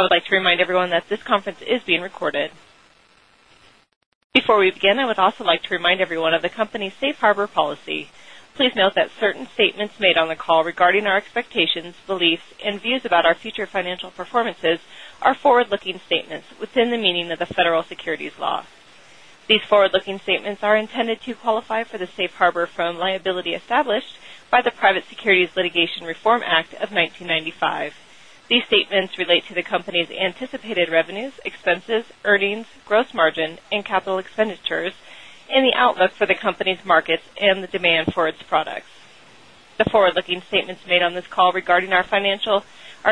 I would like to remind everyone that this conference is being recorded. Before we begin, I would also like to remind everyone of the company's safe harbor policy. Please note that certain statements made on the call regarding our expectations, beliefs, and views about our future financial performances are forward-looking statements within the meaning of the Federal Securities Law. These forward-looking statements are intended to qualify for the safe harbor from liability established by the Private Securities Litigation Reform Act of 1995. These statements relate to the company's anticipated revenues, expenses, earnings, gross margin, and capital expenditures, and the outlook for the company's markets and the demand for its products. The forward-looking statements made on this call regarding our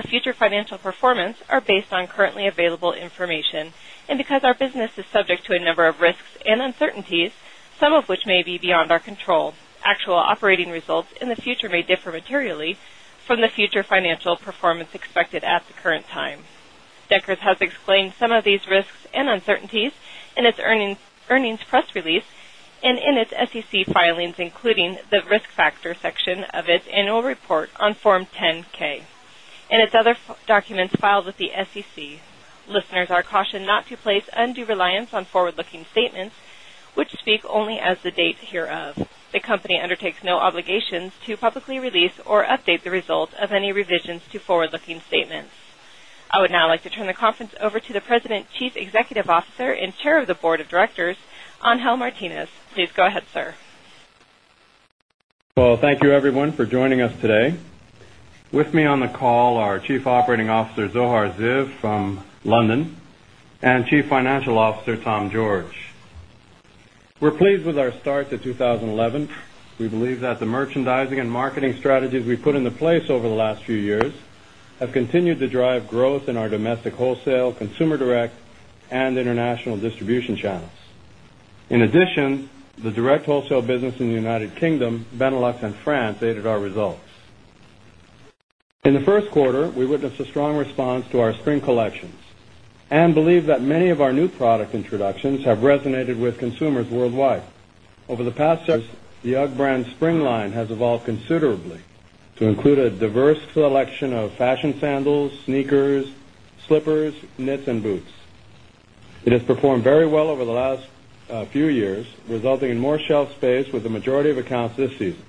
future financial performance are based on currently available information. Because our business is subject to a number of risks and uncertainties, some of which may be beyond our control, actual operating results in the future may differ materially from the future financial performance expected at the current time. Deckers has explained some of these risks and uncertainties in its earnings press release and in its SEC filings, including the risk factor section of its annual report on Form 10-K. In its other documents filed with the SEC, listeners are cautioned not to place undue reliance on forward-looking statements, which speak only as of the dates hereof. The company undertakes no obligations to publicly release or update the result of any revisions to forward-looking statements. I would now like to turn the conference over to the President, Chief Executive Officer, and Chair of the Board of Directors, Angel Martinez. Please go ahead, sir. Thank you, everyone, for joining us today. With me on the call are Chief Operating Officer, Zohar Ziv, from London, and Chief Financial Officer, Tom George. We're pleased with our start to 2011. We believe that the merchandising and marketing strategies we put into place over the last few years have continued to drive growth in our domestic wholesale, consumer direct, and international distribution channels. In addition, the direct wholesale business in the United Kingdom, Benelux, and France aided our results. In the first quarter, we witnessed a strong response to our spring collections and believe that many of our new product introductions have resonated with consumers worldwide. Over the past several years, the UGG brand spring line has evolved considerably to include a diverse selection of fashion sandals, sneakers, slippers, knits, and boots. It has performed very well over the last few years, resulting in more shelf space with the majority of accounts this season.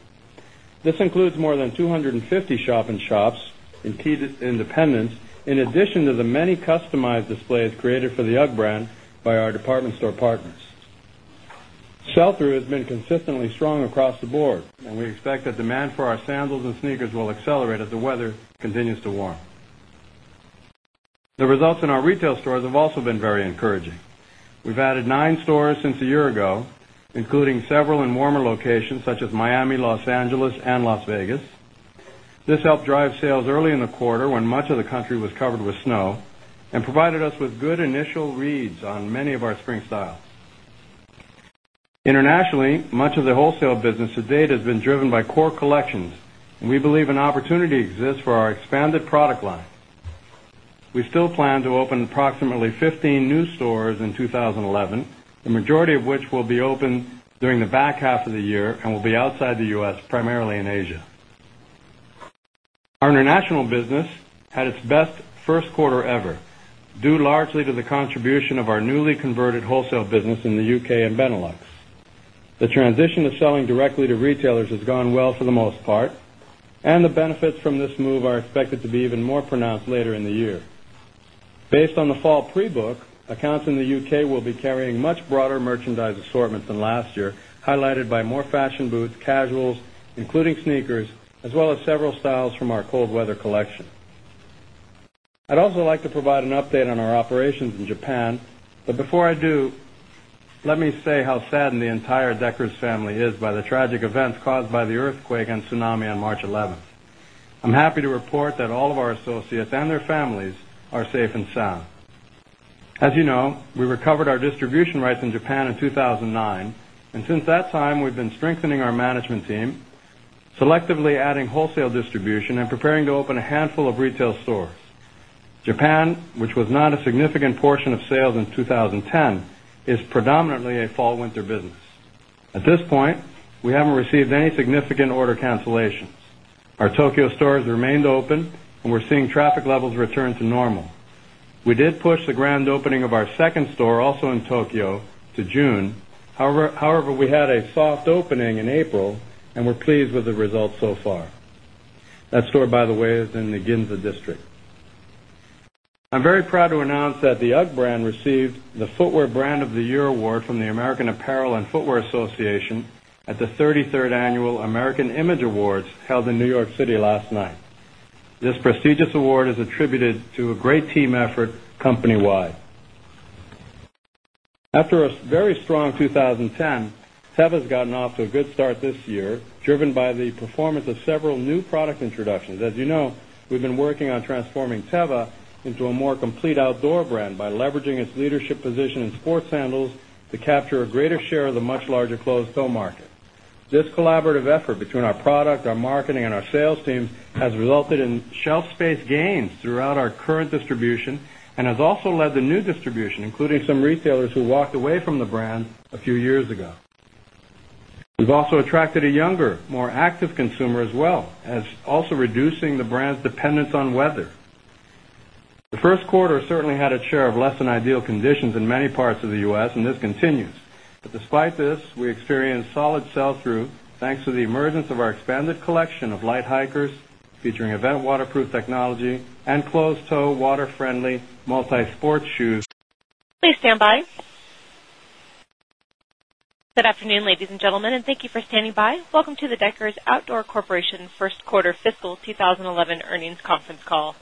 This includes more than 250 shop-in-shops in key independents, in addition to the many customized displays created for the UGG brand by our department store partners. Shelter has been consistently strong across the board, and we expect that demand for our sandals and sneakers will accelerate as the weather continues to warm. The results in our retail stores have also been very encouraging. We've added nine stores since a year ago, including several in warmer locations such as Miami, Los Angeles, and Las Vegas. This helped drive sales early in the quarter when much of the country was covered with snow and provided us with good initial reads on many of our spring styles. Internationally, much of the wholesale business to date has been driven by core collections. We believe an opportunity exists for our expanded product line. We still plan to open approximately 15 new stores in 2011, the majority of which will be open during the back half of the year and will be outside the U.S., primarily in Asia. Our international business had its best first quarter ever, due largely to the contribution of our newly converted wholesale business in the U.K. and Benelux. The transition to selling directly to retailers has gone well for the most part, and the benefits from this move are expected to be even more pronounced later in the year. Based on the fall pre-book, accounts in the U.K. will be carrying much broader merchandise assortments than last year, highlighted by more fashion boots, casuals, including sneakers, as well as several styles from our cold weather collection. I'd also like to provide an update on our operations in Japan. Before I do, let me say how saddened the entire Deckers family is by the tragic events caused by the earthquake and tsunami on March 11. I'm happy to report that all of our associates and their families are safe and sound. As you know, we recovered our distribution rights in Japan in 2009, and since that time, we've been strengthening our management team, selectively adding wholesale distribution and preparing to open a handful of retail stores. Japan, which was not a significant portion of sales in 2010, is predominantly a fall-winter business. At this point, we haven't received any significant order cancellations. Our Tokyo stores remained open, and we're seeing traffic levels return to normal. We did push the grand opening of our second store, also in Tokyo, to June. However, we had a soft opening in April and we're pleased with the results so far. That store, by the way, is in the Ginza district. I'm very proud to announce that the UGG brand received the Footwear Brand of the Year award from the American Apparel and Footwear Association at the 33rd Annual American Image Awards held in New York City last night. This prestigious award is attributed to a great team effort company-wide. After a very strong 2010, Teva's gotten off to a good start this year, driven by the performance of several new product introductions. As you know, we've been working on transforming Teva into a more complete outdoor brand by leveraging its leadership position in sports sandals to capture a greater share of the much larger closed-toe market. This collaborative effort between our product, our marketing, and our sales teams has resulted in shelf space gains throughout our current distribution and has also led to new distribution, including some resellers who walked away from the brand a few years ago. We've also attracted a younger, more active consumer as well, also reducing the brand's dependence on weather. The first quarter certainly had a share of less than ideal conditions in many parts of the U.S., and this continues. Despite this, we experienced solid sell-through thanks to the emergence of our expanded collection of Light Hikers featuring eVent waterproof technology and closed-toe, water-friendly, multi-sports shoes. Please stand by. Good afternoon, ladies and gentlemen, and thank you for standing by. Welcome to the Deckers Outdoor Corporation First Quarter Fiscal 2011 Earnings Conference Call.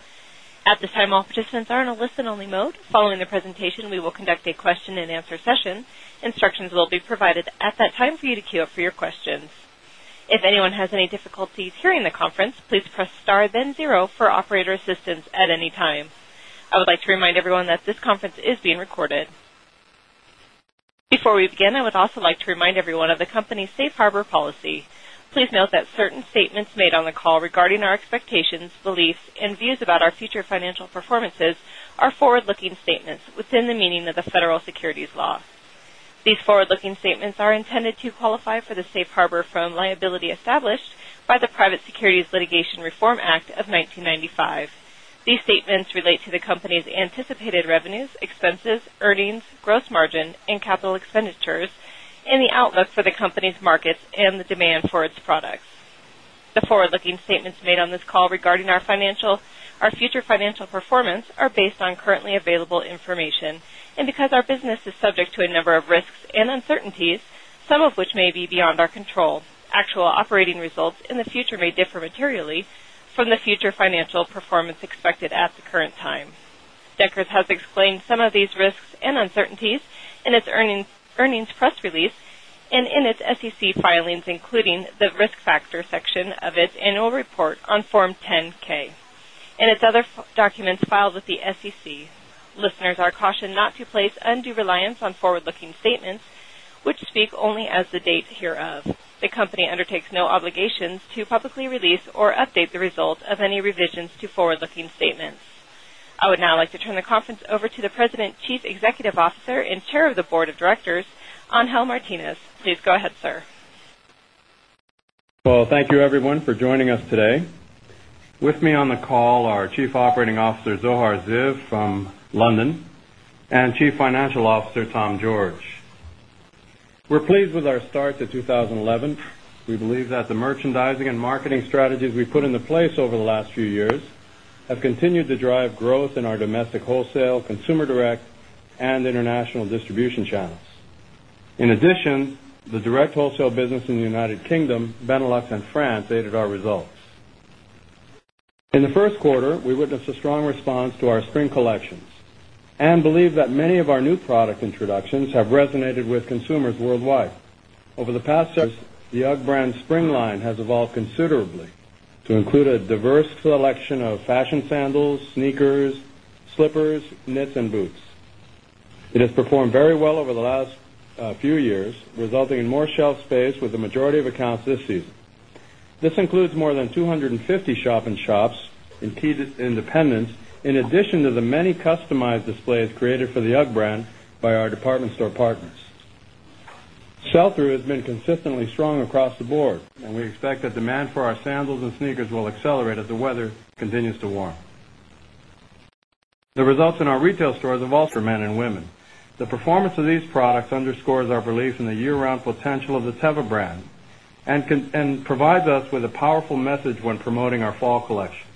At this time, all participants are in a listen-only mode. Following the presentation, we will conduct a question-and-answer session. Instructions will be provided at that time for you to queue up for your questions. If anyone has any difficulties hearing the conference, please press star, then zero for operator assistance at any time. I would like to remind everyone that this conference is being recorded. Before we begin, I would also like to remind everyone of the company's safe harbor policy. Please note that certain statements made on the call regarding our expectations, beliefs, and views about our future financial performances are forward-looking statements within the meaning of the Federal Securities Law. These forward-looking statements are intended to qualify for the safe harbor from liability established by the Private Securities Litigation Reform Act of 1995. These statements relate to the company's anticipated revenues, expenses, earnings, gross margin, and capital expenditures, and the outlook for the company's markets and the demand for its products. The forward-looking statements made on this call regarding our future financial performance are based on currently available information. Because our business is subject to a number of risks and uncertainties, some of which may be beyond our control, actual operating results in the future may differ materially from the future financial performance expected at the current time. Deckers has explained some of these risks and uncertainties in its earnings press release and in its SEC filings, including the risk factor section of its annual report on Form 10-K and in its other documents filed with the SEC. Listeners are cautioned not to place undue reliance on forward-looking statements, which speak only as of the dates hereof. The company undertakes no obligations to publicly release or update the result of any revisions to forward-looking statements. I would now like to turn the conference over to the President, Chief Executive Officer, and Chair of the Board of Directors, Angel Martinez. Please go ahead, sir. Thank you, everyone, for joining us today. With me on the call are Chief Operating Officer, Zohar Ziv, from London, and Chief Financial Officer, Tom George. We're pleased with our start to 2011. We believe that the merchandising and marketing strategies we put into place over the last few years have continued to drive growth in our domestic wholesale, consumer direct, and international distribution channels. In addition, the direct wholesale business in the United Kingdom, Benelux, and France aided our results. In the first quarter, we witnessed a strong response to our spring collections and believe that many of our new product introductions have resonated with consumers worldwide. Over the past several years, the UGG brand spring line has evolved considerably to include a diverse selection of fashion sandals, sneakers, slippers, knits, and boots. It has performed very well over the last few years, resulting in more shelf space with the majority of accounts this season. This includes more than 250 shop-in-shops in key independents, in addition to the many customized displays created for the UGG brand by our department store partners. Sell-through has been consistently strong across the board, and we expect that demand for our sandals and sneakers will accelerate as the weather continues to warm. The results in our retail stores have also demonstrated momentum. The performance of these products underscores our belief in the year-round potential of the Teva brand and provides us with a powerful message when promoting our fall collection.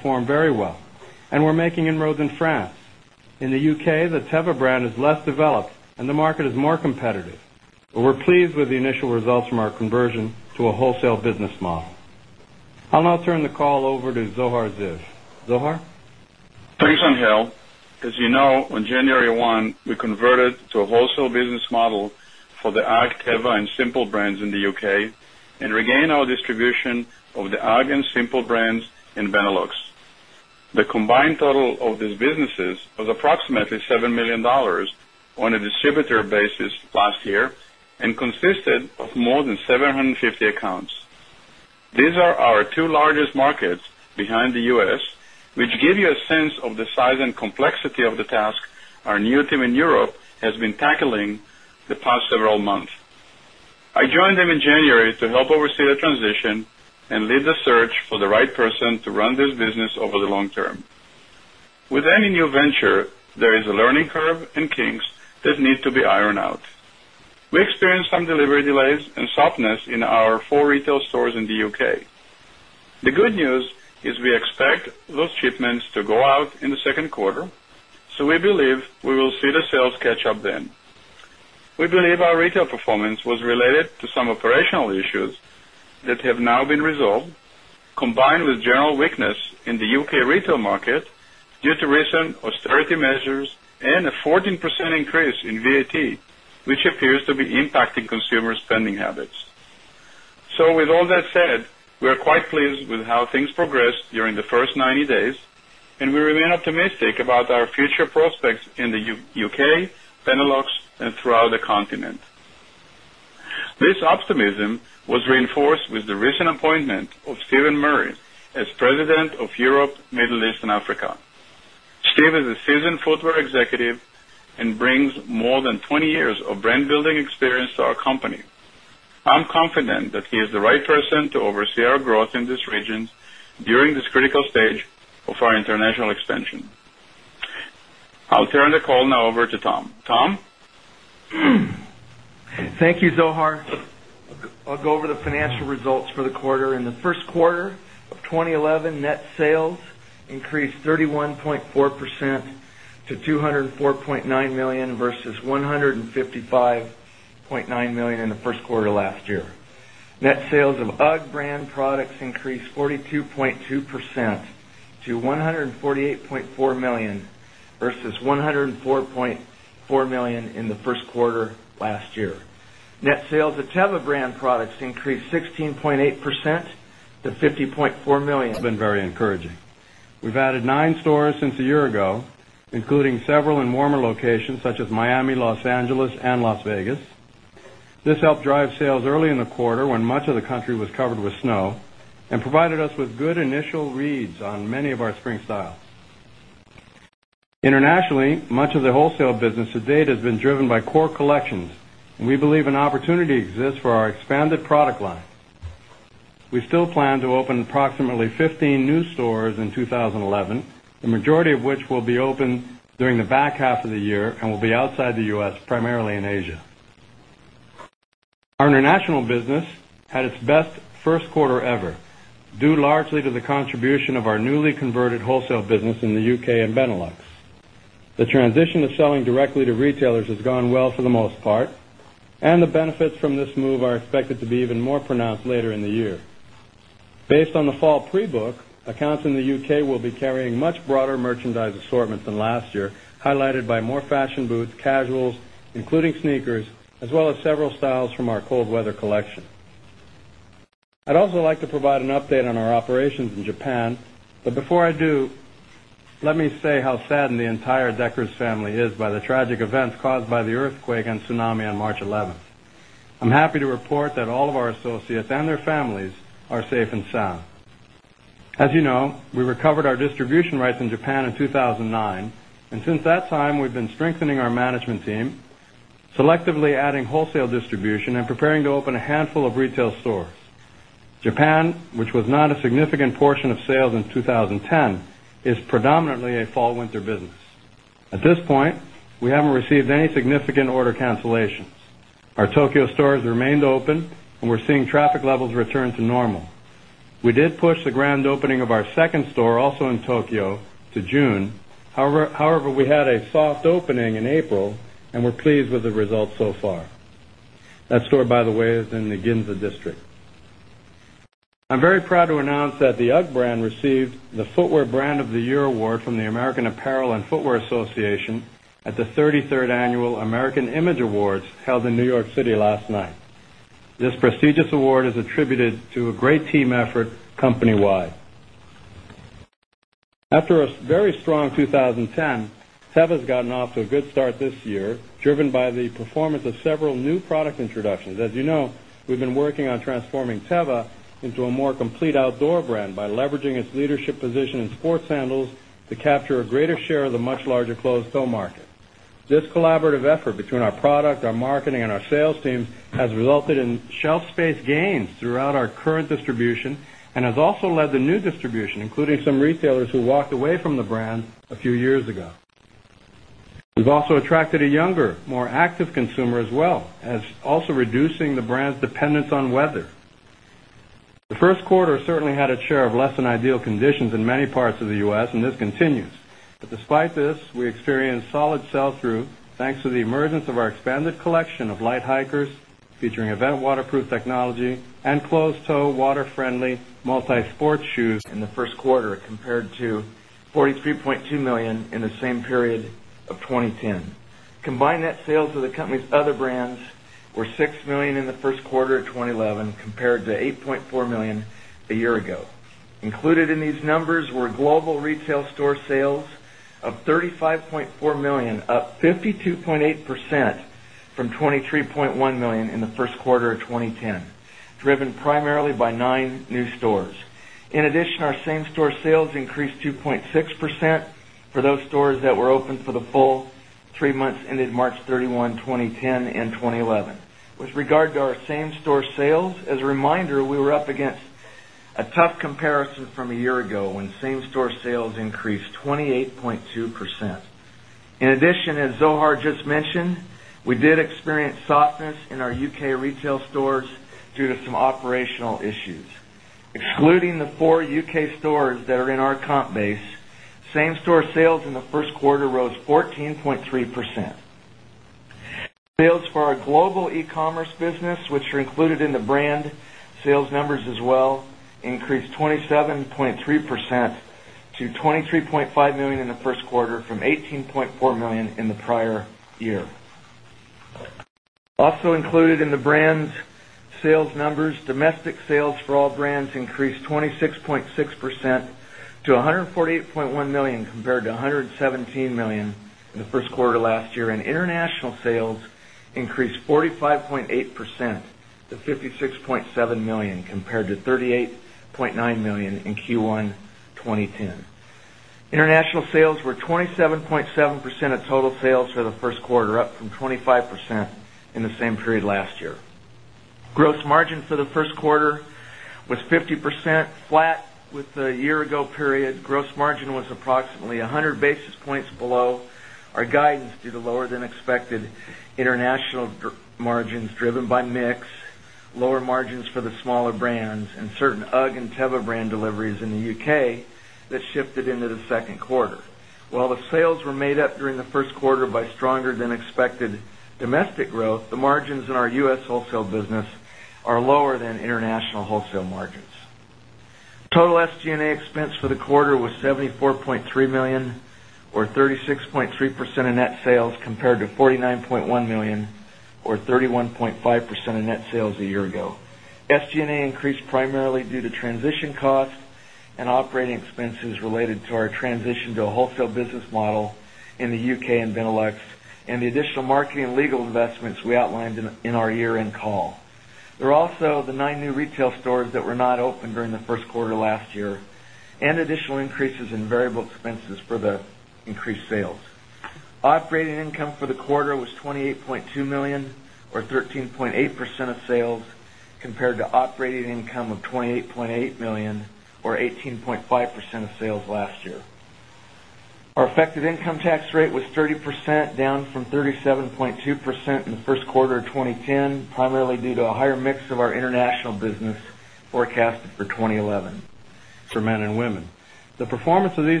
More recently, the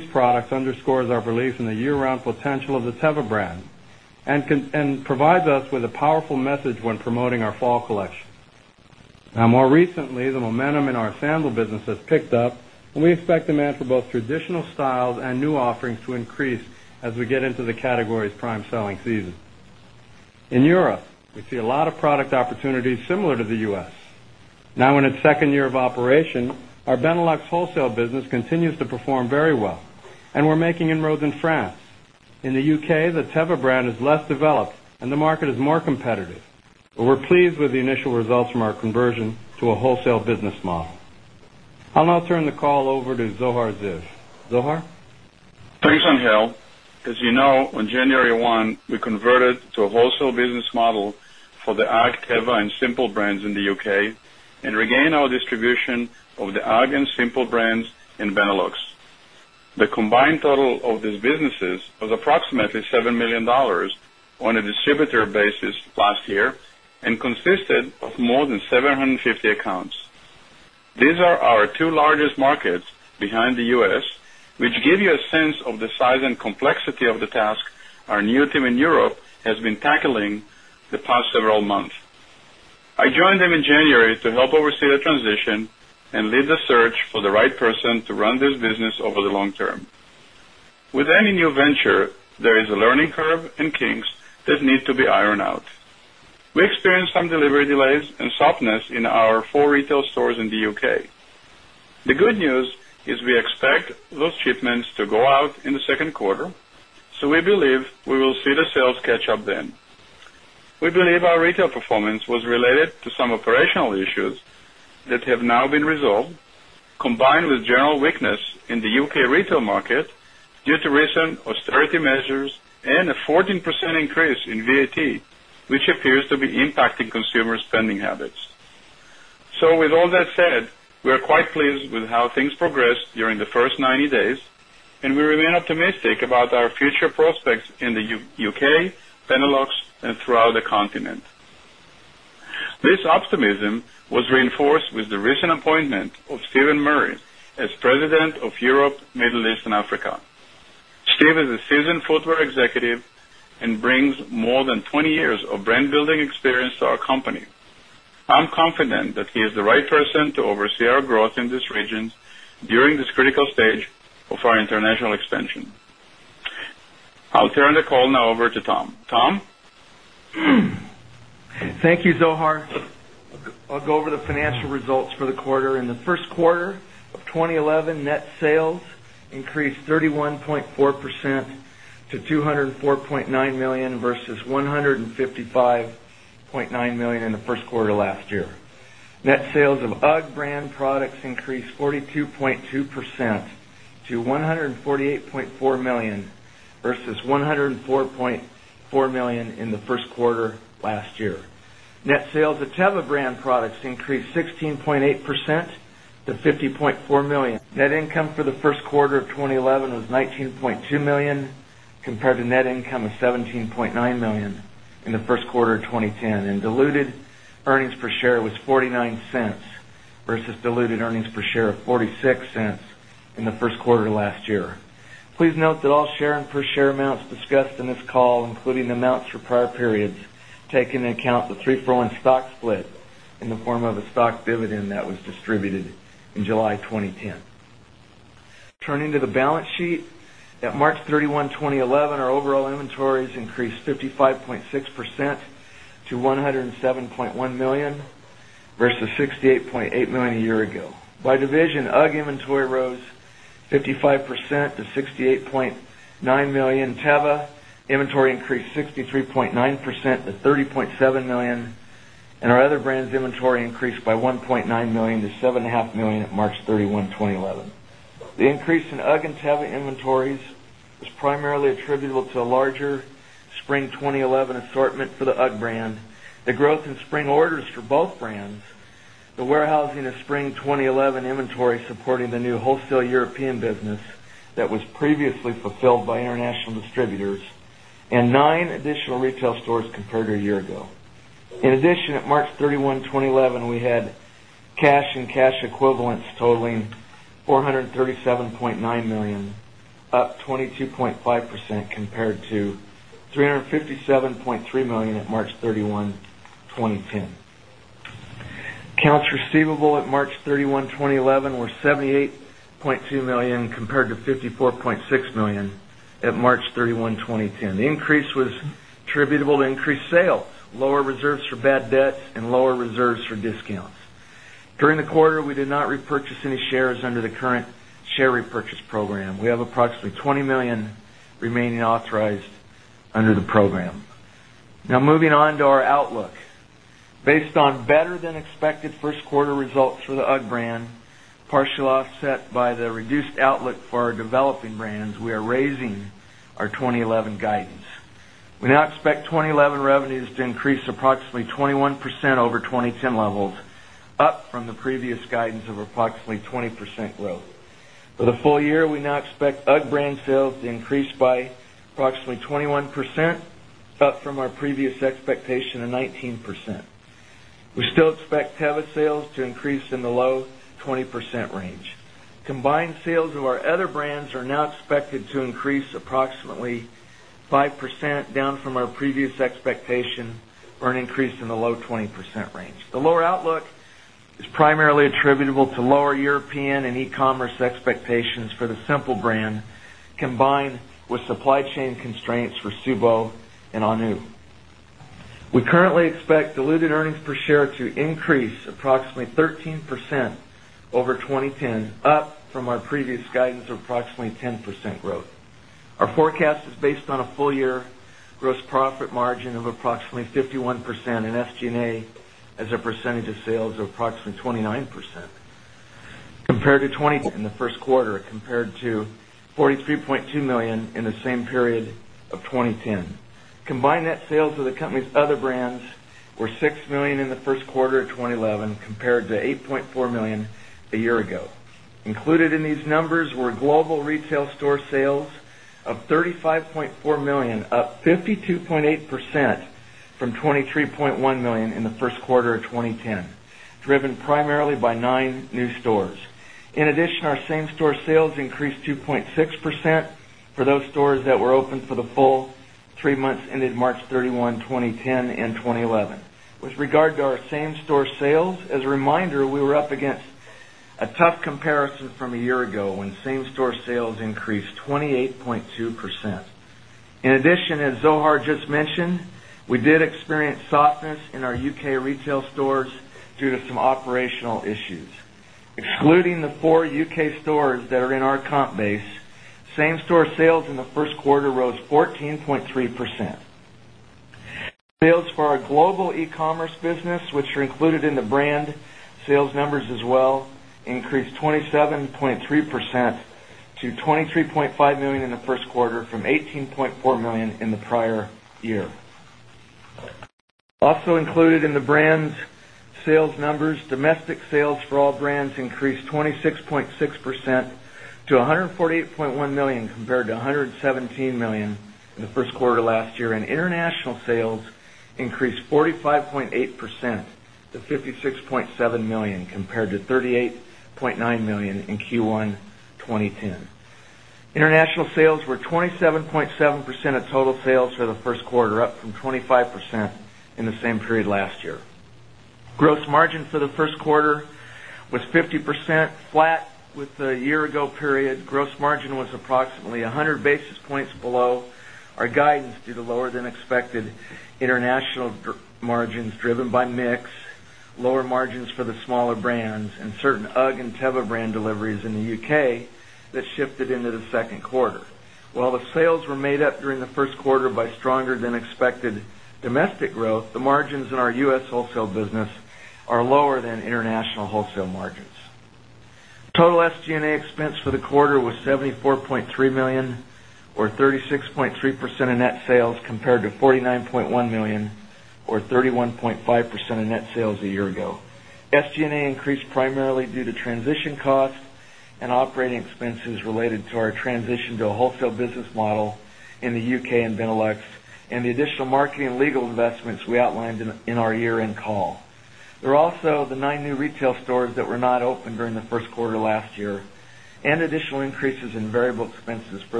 momentum in our sandal business has picked up, and we expect demand for both traditional styles and new offerings to increase as we get into the category's prime selling season. In Europe, we see a lot of product opportunities similar to the U.S. Now, in its second year of operation, our Benelux wholesale business continues to perform very well, and we're making inroads in France. In the U.K., the Teva brand is less developed, and the market is more competitive. We're pleased with the initial results from our conversion to a wholesale business model. I'll now turn the call over to Zohar Ziv. Zohar? Thanks, Angel. As you know, on January 1, we converted to a wholesale business model for the UGG, Teva, and Simple brands in the U.K. and regained our distribution of the UGG and Simple brands in Benelux. The combined total of these businesses was approximately $7 million on a distributor basis last year and consisted of more than 750 accounts. These are our two largest markets behind the U.S., which give you a sense of the size and complexity of the task our new team in Europe has been tackling the past several months. I joined them in January to help oversee the transition and lead the search for the right person to run this business over the long term. With any new venture, there is a learning curve and kinks that need to be ironed out. We experienced some delivery delays and softness in our four retail stores in the U.K.. The good news is we expect those shipments to go out in the second quarter, so we believe we will see the sales catch up then. We believe our retail performance was related to some operational issues that have now been resolved, combined with general weakness in the U.K. retail market due to recent austerity measures and a 14% increase in VAT, which appears to be impacting consumer spending habits. We are quite pleased with how things progressed during the first 90 days, and we remain optimistic about our future prospects in the U.K., Benelux, and throughout the continent. This optimism was reinforced with the recent appointment of Stephen Murray as President of Europe, Middle East, and Africa. Steve is a seasoned footwear executive and brings more than 20 years of brand-building experience to our company. I'm confident that he is the right person to oversee our growth in these regions during this critical stage of our international expansion. I'll turn the call now over to Tom. Tom? Thank you, Zohar. I'll go over the financial results for the quarter. In the first quarter of 2011, net sales increased 31.4% to $204.9 million versus $155.9 million in the first quarter last year. Net sales of UGG brand products increased 42.2% to $148.4 million versus $104.4 million in the first quarter last year. take into account the 3-for-1 stock split in the form of a stock dividend that was distributed in July 2010. Turning to the balance sheet, at March 31, 2011, our overall inventories increased 55.6% to $107.1 million versus $68.8 million a year ago. By division, UGG inventory rose 55% to $68.9 million. Teva and nine additional retail stores compared to a year ago. In addition, at March 31, 2011, we had cash and cash equivalents totaling $437.9 million, up 22.5% compared to $357.3 million at March 31, 2010. Accounts receivable at March 31, 2011, were $78.2 million compared to $54.6 million at March 31, 2010. The increase was attributable to increased sales, lower reserves for bad debt, and lower reserves for discounts. During the quarter, we did not repurchase any shares under the current share repurchase program. We have approximately $20 million remaining authorized under the program. Now, moving on to our outlook. Based on better-than-expected first quarter results for the UGG brand, partially offset by the reduced outlook for our developing brands, we are raising our 2011 guidance. We now expect 2011 revenues to increase approximately 21% over 2010 levels, up from the previous guidance of approximately 20% growth. For the full year, we now expect UGG brand sales to increase by approximately 21%, up from our previous expectation of 19%. We still expect Teva sales to increase in the low 20% range. Combined sales of our other brands are now expected to increase approximately 5%, down from our previous expectation for an increase in the low 20% range. The lower outlook is primarily attributable to lower European and e-commerce expectations for the Simple brand, combined with supply chain constraints for TSUBO and AHNU. We currently expect diluted earnings per share to increase approximately 13% over 2010, up from our previous guidance of approximately 10% growth. Our forecast is based on a full-year gross margin of approximately 51% and SG&A as a percentage of sales of approximately 29%. Compared to 2020. This includes exploring new footwear materials and new production technologies, as well as production capabilities outside of China. In addition, we continue to focus on our long-term operating margins and, over time, believe we can realize additional cost savings in our supply chain, including freight and warehousing, and further diversification of our product line to lessen our dependence on prime twin face sheepskin. In the fourth quarter of 2010, 17 of the top 30 best-selling women's styles and 24 of the top 30 men's styles contained no or little sheepskin. To close, I would just say that we're very pleased with our first quarter performance. Our business is much bigger than it was a few years ago and is more complex than it was just a few months ago. I'm very proud of how our entire team has executed. We're all set and very well set up for a very good 2011, especially in the back half when the majority of our sales and profits are generated. Operator, we're now ready to take questions. Thank you. Ladies and gentlemen, at this time, if you would like to ask a question, please press star one on your telephone. If you're joining us using a speaker phone, we ask that you please release the mute function to allow your signal to reach our equipment. Once again, star one, please. We'll go first to Jeff Klinefelter with Jefferies. Yes, thank you. Just a couple of questions. One on the domestic side. Angel, if you could talk a little bit more about that or give more specifics on the growth of the UGG brand. What did it grow in the wholesale channel domestically, you know, versus the retail contribution? If I missed that earlier, I apologize, but just curious on that trend. Also, any color on the sales balance, new styles, what they represented versus kind of existing, just to get a sense of category expansion. Just one international question for you, and that's, I think you mentioned that basics were selling in pretty well, and you will work toward more of a broad-based assortment being received by international accounts. If you could just clarify that a little bit more. Thank you. Let me start with the last question. Internationally, especially in the U.K., the business was driven by classic. When we say basic, I mean it really is, yeah, it has been classic business. If you put yourself in the distributor's position, introducing new styles outside of that classic look of the brand was a risk to them, and they knew they were transitioning out. We really have become very aggressive in developing the brand, certainly the spring collection especially, around the new styles that have been performing well here. You'll see that on an ongoing basis be a bigger and bigger part of the mix in the U.K.. Certainly, the sell-throughs are, despite the economy in the U.K., we're pretty satisfied with what we're doing there. We're going to be transitioning to a broader basis, much like we did here, which includes the knits and the sneakers and the sandals on the UGG brand. The other question on the.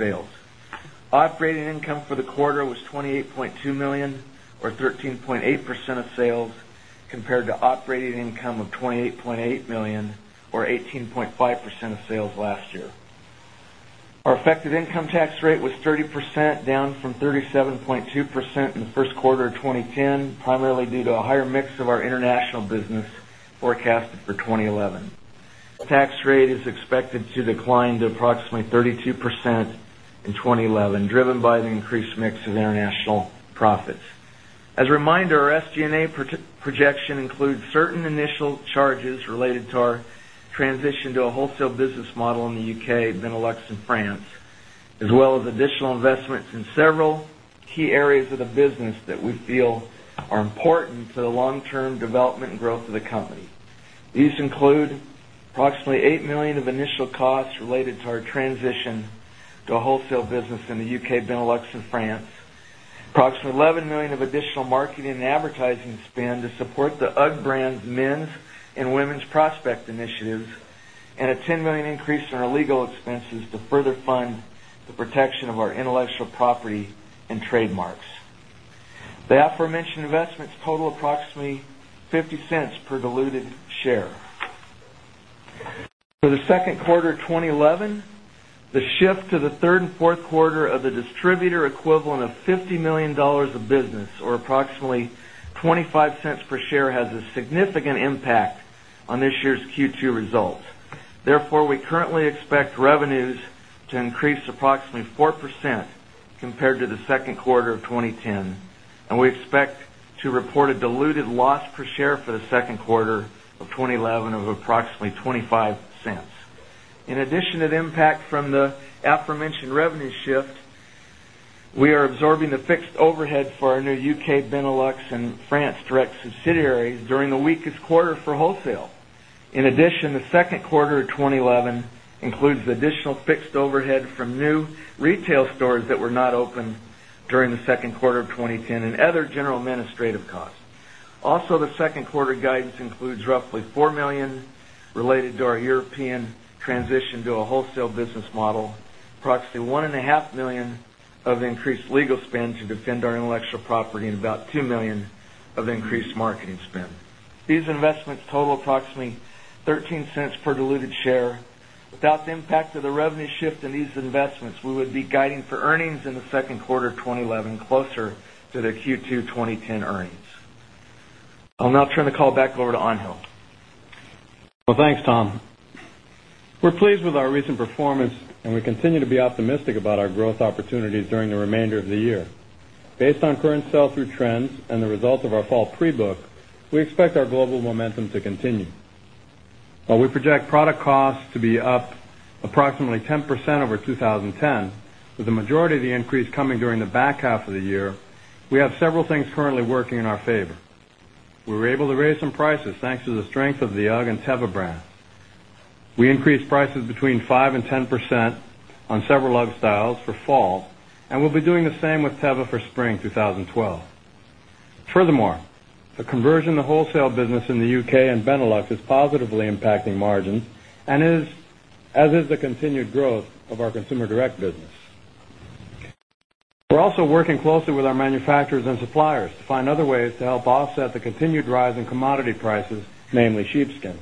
Jeff, on the domestic wholesale business for UGG, we had a solid quarter from that perspective, and the domestic wholesale business for UGG was up 16% for the quarter relative to the prior year. In terms of the sales blend, Jeff, as a basic. Our effective tax rate is expected to decline to approximately 32% in 2011, driven by the increased mix of international profits. As a reminder, our SG&A projection includes certain initial charges related to our transition to a wholesale business model in the U.K., Benelux, and France, as well as additional investments in several key areas of the business that we feel are important to the long-term development and growth of the company. These include approximately $8 million of initial costs related to our transition to a wholesale business in the U.K., Benelux, and France, approximately $11 million of additional marketing and advertising spend to support the UGG brand's men's and women's prospect initiatives, and a $10 million increase in our legal expenses to further fund the protection of our intellectual property and trademarks. The aforementioned investments total approximately $0.50 per diluted share. For the second quarter of 2011, the shift to the third and fourth quarter of the distributor equivalent of $50 million of business or approximately $0.25 per share has a significant impact on this year's Q2 results. Therefore, we currently expect revenues to increase approximately 4% compared to the second quarter of 2010, and we expect to report a diluted loss per share for the second quarter of 2011 of approximately $0.25. In addition to the impact from the aforementioned revenue shift, we are absorbing the fixed overhead for our new U.K., Benelux, and France direct subsidiaries during the weakest quarter for wholesale. The second quarter of 2011 includes additional fixed overhead from new retail stores that were not open during the second quarter of 2010 and other general administrative costs. Also, the second quarter guidance includes roughly $4 million related to our European transition to a wholesale business model, approximately $1.5 million of increased legal spend to defend our intellectual property, and about $2 million of increased marketing spend. These investments total approximately $0.13 per diluted share. Without the impact of the revenue shift and these investments, we would be guiding for earnings in the second quarter of 2011 closer to the Q2 2010 earnings. I'll now turn the call back over to Angel. Thanks, Tom. We're pleased with our recent performance, and we continue to be optimistic about our growth opportunities during the remainder of the year. Based on current sell-through trends and the result of our fall pre-book, we expect our global momentum to continue. While we project product costs to be up approximately 10% over 2010, with the majority of the increase coming during the back half of the year, we have several things currently working in our favor. We were able to raise some prices thanks to the strength of the UGG and Teva brand. We increased prices between 5% and 10% on several UGG styles for fall, and we'll be doing the same with Teva for spring 2012. Furthermore, a conversion to wholesale business in the U.K. and Benelux is positively impacting margins, as is the continued growth of our consumer direct business. We're also working closely with our manufacturers and suppliers to find other ways to help offset the continued rise in commodity prices, namely sheepskin.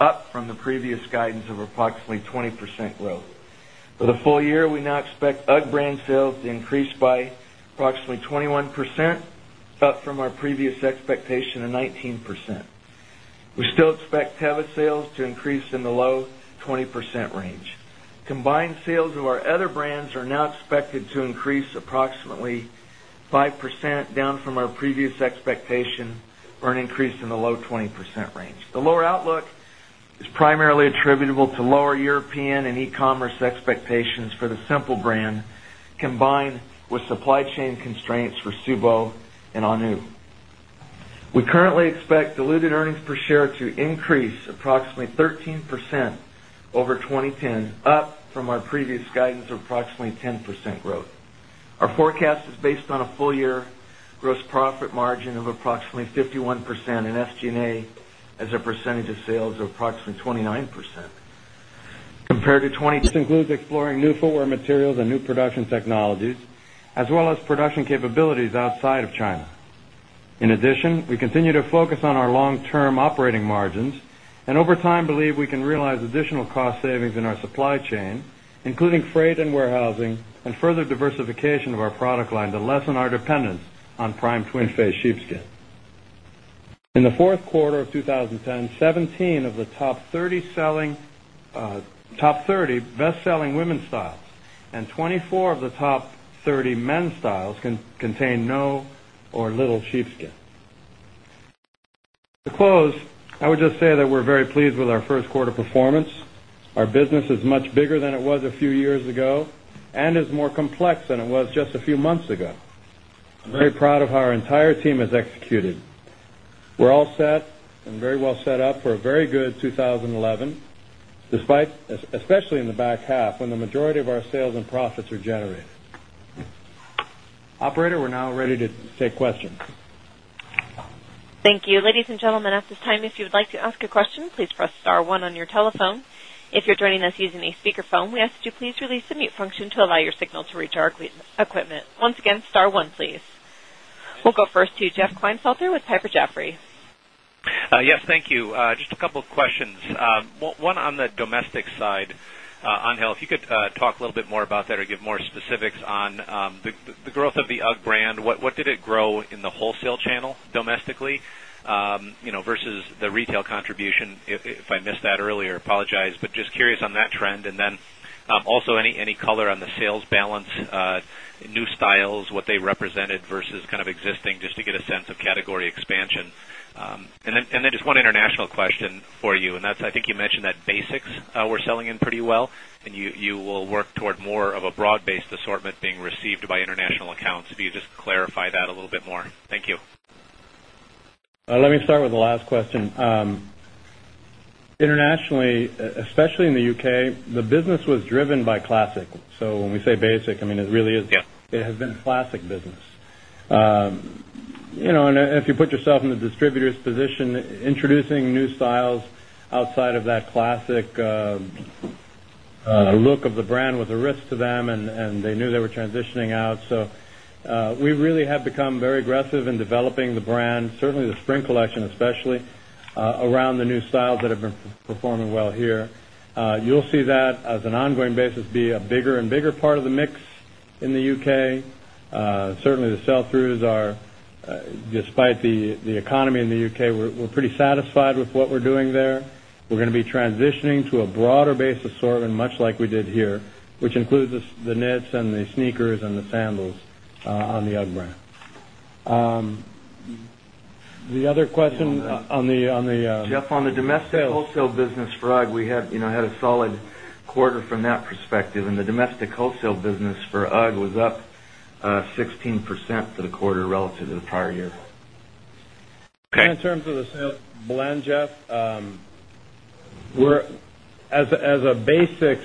last year. You get really net net for the second quarter, a similar gross margin to last year. Why aren't you seeing more benefit there? Just out of curiosity. There is more, you know, what we talked about in the second quarter. The second quarter is still a relatively low quarter for that business. A lot of the activity is in the In the fourth quarter of 2010, 17 of the top 30 best-selling women's styles and 24 of the top 30 men's styles contain no or little sheepskin. To close, I would just say that we're very pleased with our first quarter performance. Our business is much bigger than it was a few years ago and is more complex than it was just a few months ago. I'm very proud of how our entire team has executed. We're all set and very well set up for a very good 2011, especially in the back half when the majority of our sales and profits are generated. Operator, we're now ready to take questions. Thank you. Ladies and gentlemen, at this time, if you would like to ask a question, please press star one on your telephone. If you're joining us using a speaker phone, we ask that you please release the mute function to allow your signal to reach our equipment. Once again, star one, please. We'll go first to Jeff Klinefelter with Jefferies. Yes, thank you. Just a couple of questions. One on the domestic side, Angel, if you could talk a little bit more about that or give more specifics on the growth of the UGG brand. What did it grow in the wholesale channel domestically, you know, versus the retail contribution? If I missed that earlier, I apologize, but just curious on that trend. Also, any color on the sales balance, new styles, what they represented versus kind of existing, just to get a sense of category expansion. Just one international question for you, and that's, I think you mentioned that basics were selling in pretty well, and you will work toward more of a broad-based assortment being received by international accounts. If you could just clarify that a little bit more. Thank you. Let me start with the last question. Internationally, especially in the U.K., the business was driven by classic. When we say basic, I mean it really is, yeah, it has been classic business. If you put yourself in the distributor's position, introducing new styles outside of that classic look of the brand was a risk to them, and they knew they were transitioning out. We really have become very aggressive in developing the brand, certainly the spring collection especially, around the new styles that have been performing well here. You'll see that on an ongoing basis be a bigger and bigger part of the mix in the U.K.. Certainly, the sell-throughs are, despite the economy in the U.K., we're pretty satisfied with what we're doing there. We're going to be transitioning to a broader basis much like we did here, which includes the knits and the sneakers and the sandals on the UGG brand. The other question on the. Jeff, on the domestic wholesale business for UGG, we had a solid quarter from that perspective, and the domestic wholesale business for UGG was up 16% for the quarter relative to the prior year. In terms of the sales blend, Jeff, as a basic.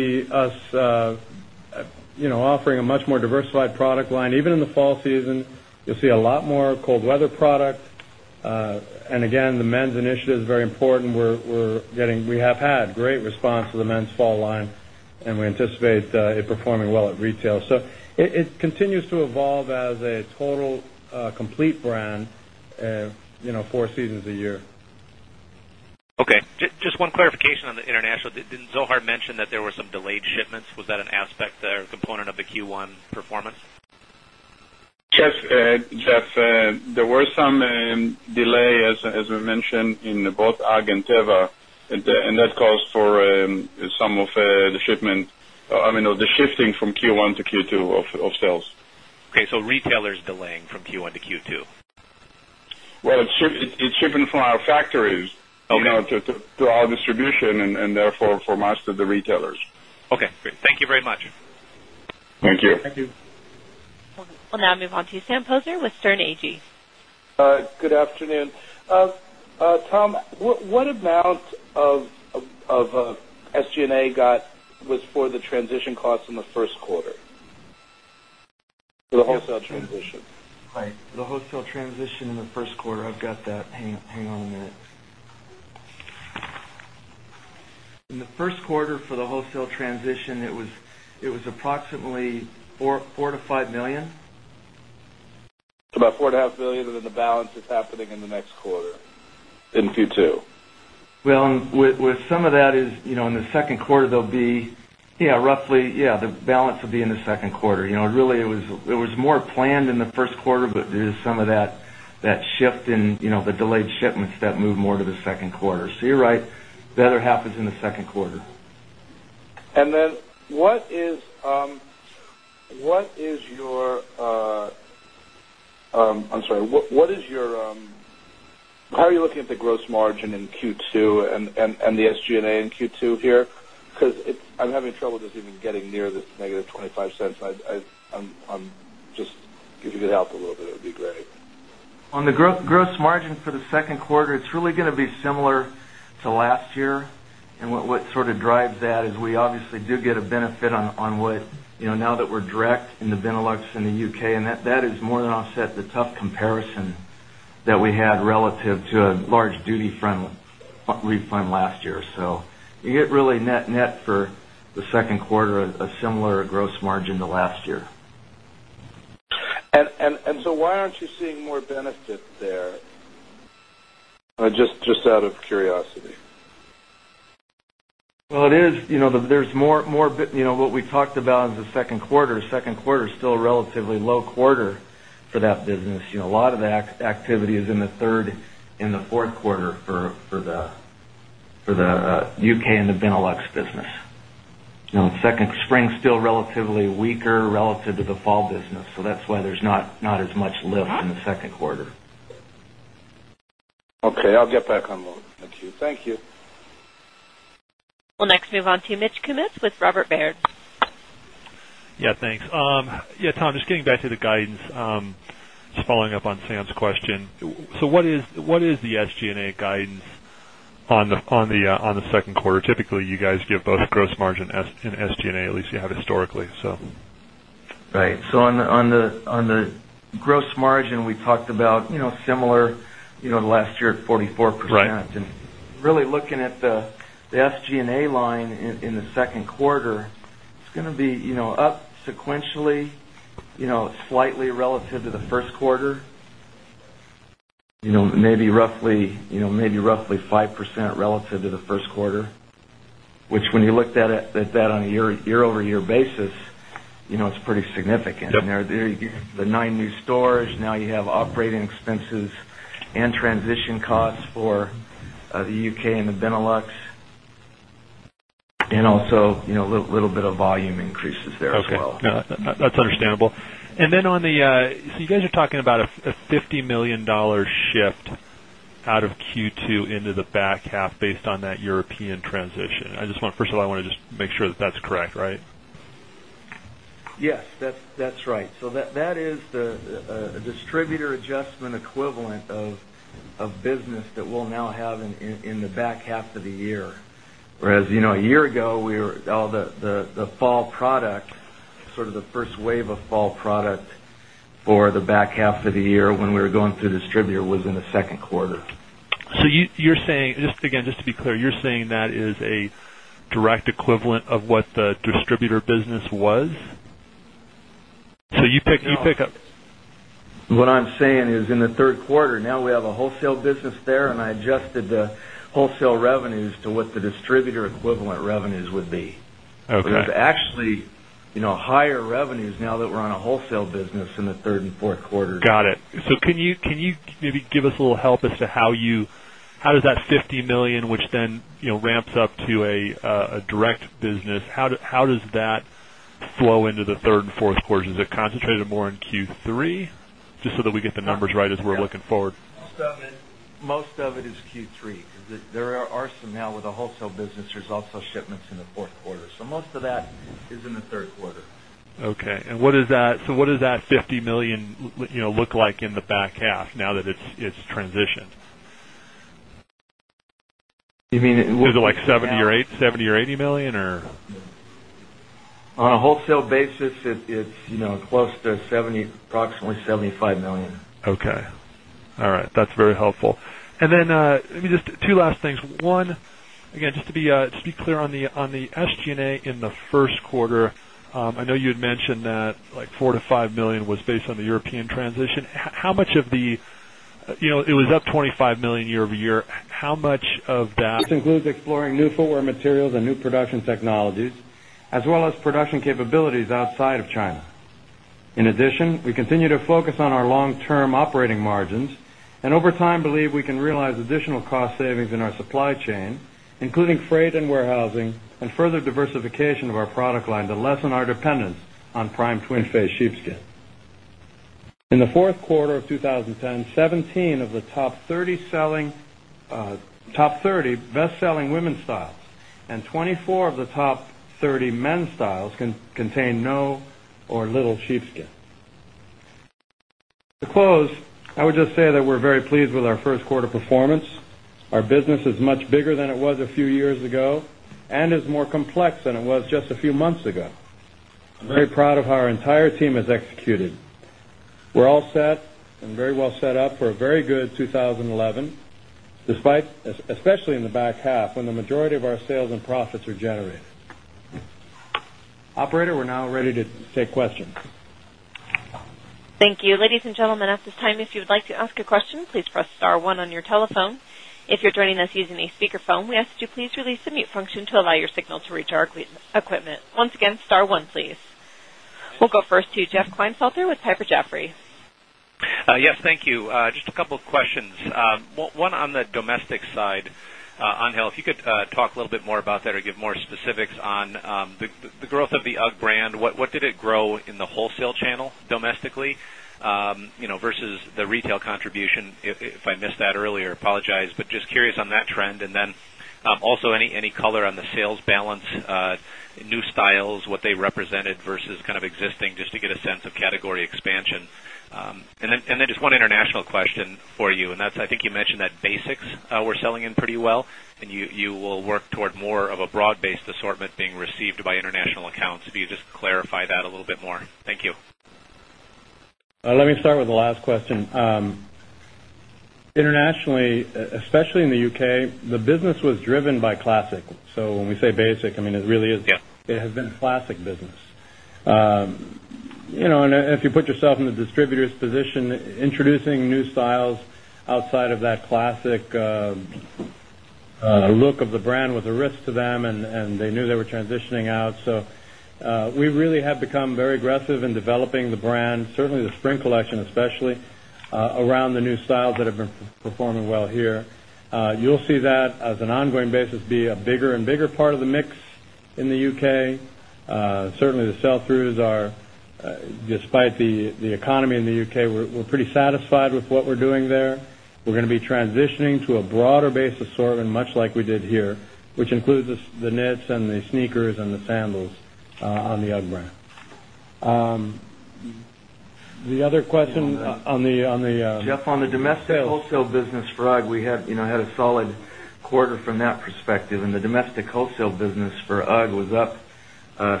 Was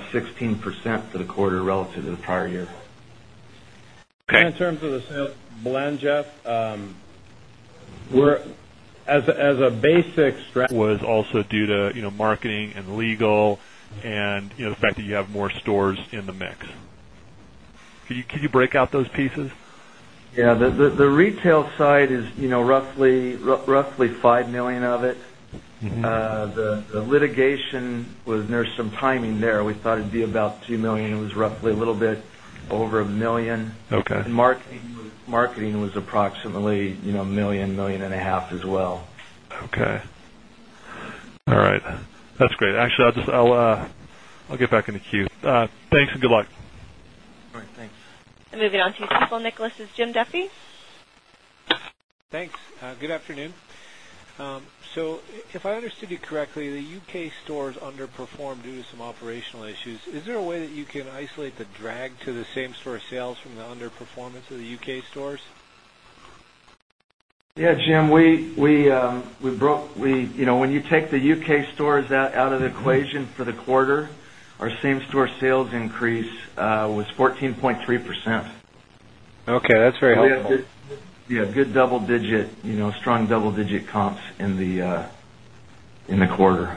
also due to, you know, marketing and legal, and, you know, the fact that you have more stores in the mix. Could you break out those pieces? Yeah, the retail side is roughly $5 million of it. The litigation was near some timing there. We thought it'd be about $2 million. It was roughly a little bit over $1 million. Okay. Marketing was approximately $1 million, $1.5 million as well. Okay. All right. That's great. I'll get back in the queue. Thanks and good luck. All right, thanks. Moving on to Stifel Nicolaus is Jim Duffy. Thanks. Good afternoon. If I understood you correctly, the U.K. stores underperformed due to some operational issues. Is there a way that you can isolate the drag to the same-store sales from the underperformance of the U.K. stores? Yeah, Jim, when you take the U.K. stores out of the equation for the quarter, our same-store sales increase was 14.3%. Okay, that's very helpful. We have strong double-digit comps in the quarter.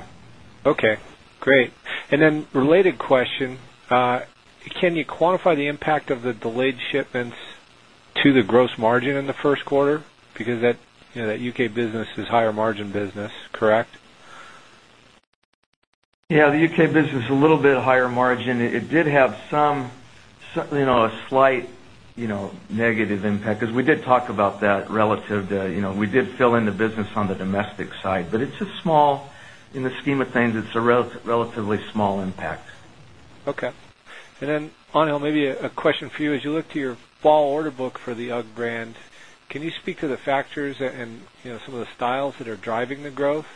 Okay. Great. Then related question, can you quantify the impact of the delayed shipments to the gross margin in the first quarter? Because that U.K. business is a higher margin business, correct? Yeah, the U.K. business is a little bit higher margin. It did have some slight negative impact because we did talk about that relative to, you know, we did fill in the business on the domestic side, but it's a small, in the scheme of things, it's a relatively small impact. Okay. Angel, maybe a question for you. As you look to your fall order book for the UGG brand, can you speak to the factors and some of the styles that are driving the growth?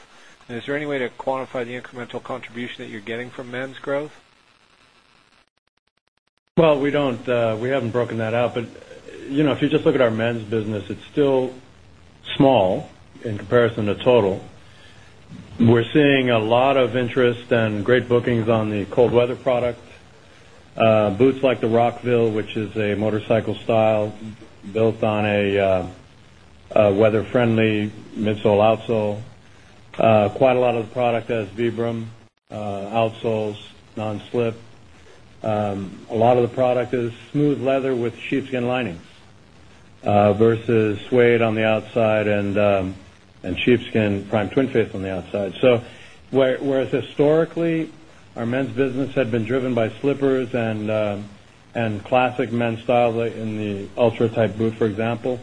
Is there any way to quantify the incremental contribution that you're getting from men's growth? We haven't broken that out, but, you know, if you just look at our men's business, it's still small in comparison to total. We're seeing a lot of interest and great bookings on the cold weather product. Boots like the Rockville, which is a motorcycle style built on a weather-friendly midsole/outsole. Quite a lot of the product has Vibram outsoles, non-slip. A lot of the product is smooth leather with sheepskin linings versus suede on the outside and sheepskin [prime twin face] on the outside. Whereas historically, our men's business had been driven by slippers and classic men's styles in the ultra-tight boot, for example,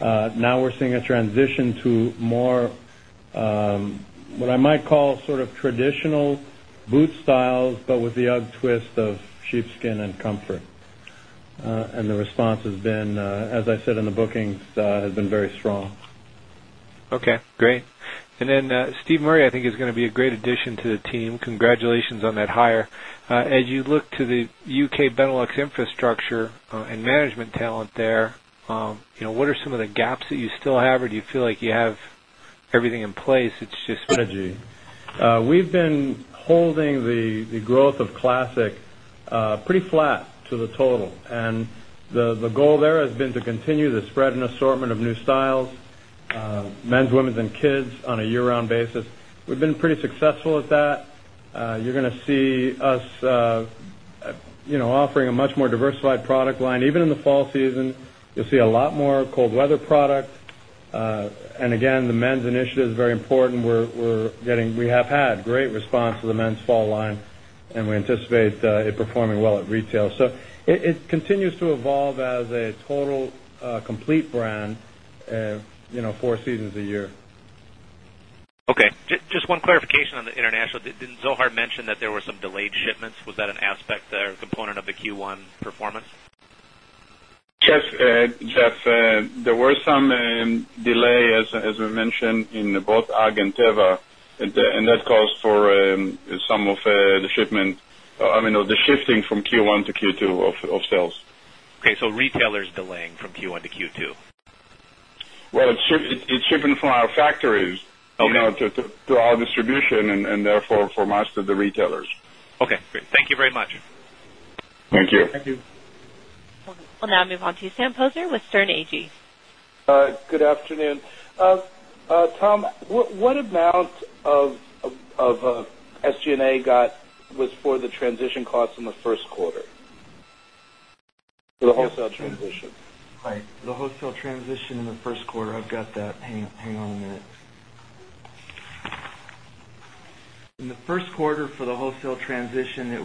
now we're seeing a transition to more, what I might call sort of traditional boot styles, but with the UGG twist of sheepskin and comfort. The response has been, as I said in the bookings, has been very strong. Okay. Great. Steve Murray, I think, is going to be a great addition to the team. Congratulations on that hire. As you look to the U.K. Benelux infrastructure and management talent there, what are some of the gaps that you still have, or do you feel like you have everything in place? It's just. We've been holding the growth of Classic pretty flat to the total. The goal there has been to continue the spread and assortment of new styles, men's, women's, and kids on a year-round basis. We've been pretty successful at that. You're going to see us offering a much more diversified product line. Even in the fall season, you'll see a lot more cold weather products. The men's initiative is very important. We have had great response to the men's fall line, and we anticipate it performing well at retail. It continues to evolve as a total complete brand, four seasons a year. Okay. Just one clarification on the international. Didn't Zohar mention that there were some delayed shipments? Was that an aspect or a component of the Q1 performance? Yes, Jeff. There were some delays, as we mentioned, in both UGG and Teva, and that caused some of the shifting from Q1 to Q2 of sales. Okay, so retailers delaying from Q1 to Q2? It is shipping from our factories to our distribution and therefore for most of the retailers. Okay. Great. Thank you very much. Thank you. Thank you. We'll now move on to Samuel Poser with Sterne Agee. Good afternoon. Tom, what amount of SG&A was for the transition costs in the first quarter for the wholesale transition? The wholesale transition in the first quarter, I've got that. In the first quarter for the wholesale transition, it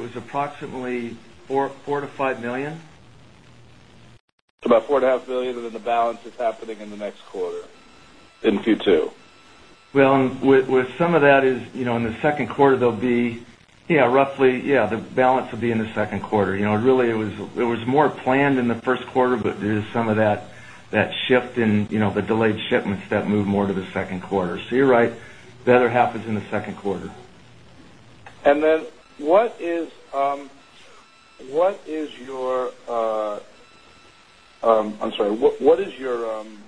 was approximately $4 million-$5 million. About $4.5 million of the balance is happening in the next quarter in Q2. In the second quarter, there'll be, yeah, roughly, yeah, the balance will be in the second quarter. Really, it was more planned in the first quarter, but there's some of that that shift in, you know, the delayed shipments that moved more to the second quarter. You're right, better half is in the second quarter. What is your, I'm sorry,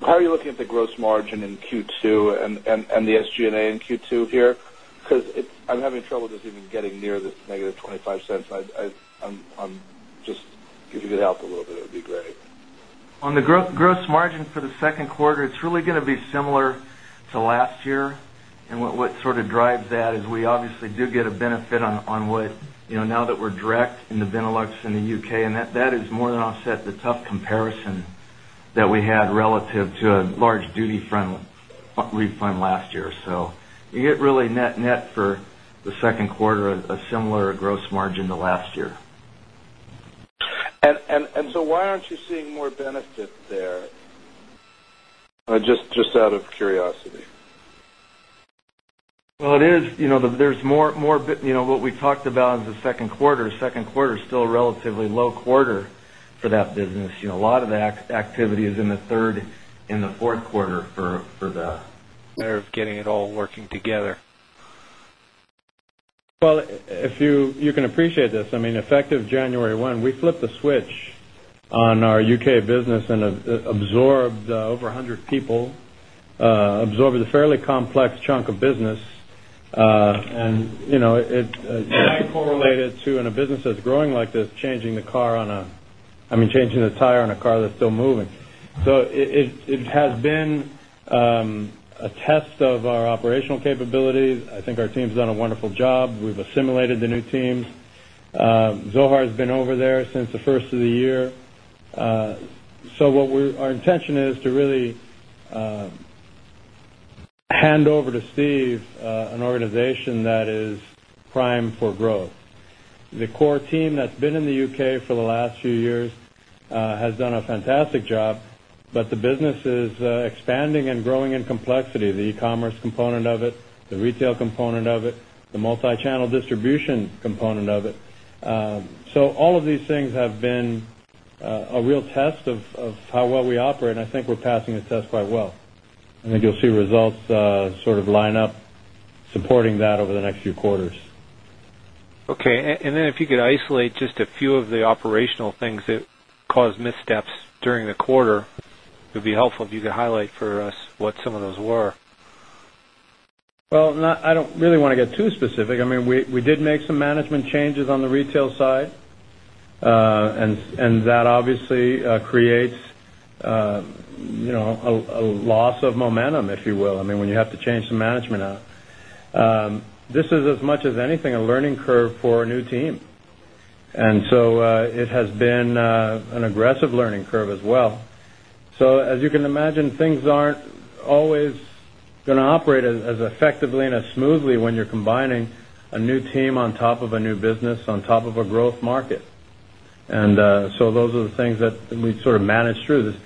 how are you looking at the gross margin in Q2 and the SG&A in Q2 here? I'm having trouble just even getting near the negative $0.25. If you could help. On the gross margin for the second quarter, it's really going to be similar to last year. What sort of drives that is we obviously do get a benefit on what, you know, now that we're direct in the Benelux and the U.K., and that is more than offset by the tough comparison that we had relative to a large duty-friendly refund last year. You get really net net for the second quarter, a similar gross margin to last year. Why aren't you seeing more benefit there? Just out of curiosity. There is more, you know, what we talked about in the second quarter. The second quarter is still a relatively low quarter for that business. A lot of the activity is in the third and the fourth quarter for the. [Way] of getting it all working together. If you can appreciate this, I mean, effective January 1, we flipped the switch on our U.K. business and absorbed over 100 people, absorbed a fairly complex chunk of business. You know, it correlated to, in a business that's growing like this, changing the tire on a car that's still moving. It has been a test of our operational capabilities. I think our team's done a wonderful job. We've assimilated the new teams. Zohar's been over there since the first of the year. What our intention is to really hand over to Steve an organization that is prime for growth. The core team that's been in the U.K. for the last few years has done a fantastic job, but the business is expanding and growing in complexity, the e-commerce component of it, the retail component of it, the multi-channel distribution component of it. All of these things have been a real test of how well we operate, and I think we're passing the test quite well. I think you'll see results sort of line up supporting that over the next few quarters. Okay. If you could isolate just a few of the operational things that caused missteps during the quarter, it would be helpful if you could highlight for us what some of those were. I don't really want to get too specific. I mean, we did make some management changes on the retail side. That obviously creates a loss of momentum, if you will. I mean, when you have to change some management out, this is, as much as anything, a learning curve for a new team. It has been an aggressive learning curve as well. As you can imagine, things aren't always going to operate as effectively and as smoothly when you're combining a new team on top of a new business, on top of a growth market. Those are the things that we sort of managed through this.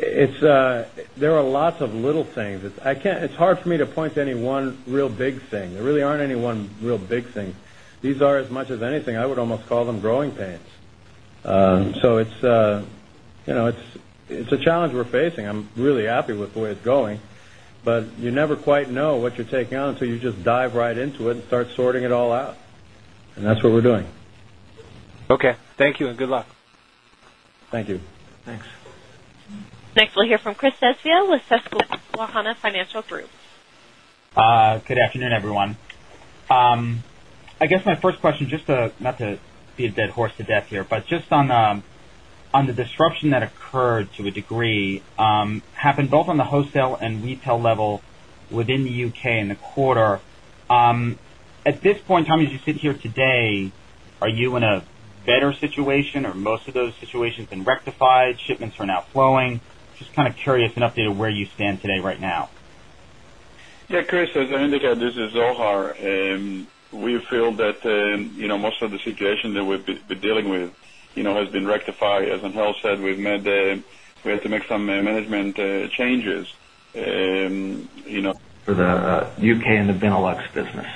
There are lots of little things. It's hard for me to point to any one real big thing. There really aren't any one real big thing. These are, as much as anything, I would almost call them growing pains. It's a challenge we're facing. I'm really happy with the way it's going. You never quite know what you're taking on until you just dive right into it and start sorting it all out. That's what we're doing. Okay, thank you and good luck. Thank you. Thanks. Next, we'll hear from [Chris Sesviel] with Susquehanna Financial Group. Good afternoon, everyone. I guess my first question, just not to beat a dead horse to death here, but just on the disruption that occurred to a degree, happened both on the wholesale and retail level within the U.K. in the quarter. At this point in time, as you sit here today, are you in a better situation? Are most of those situations been rectified? Shipments are now flowing? Just kind of curious and updated where you stand today right now. Yeah, Chris, as I indicated, this is Zohar. We feel that most of the situation that we've been dealing with has been rectified. As Angel said, we had to make some management changes. For the U.K. and the Benelux business,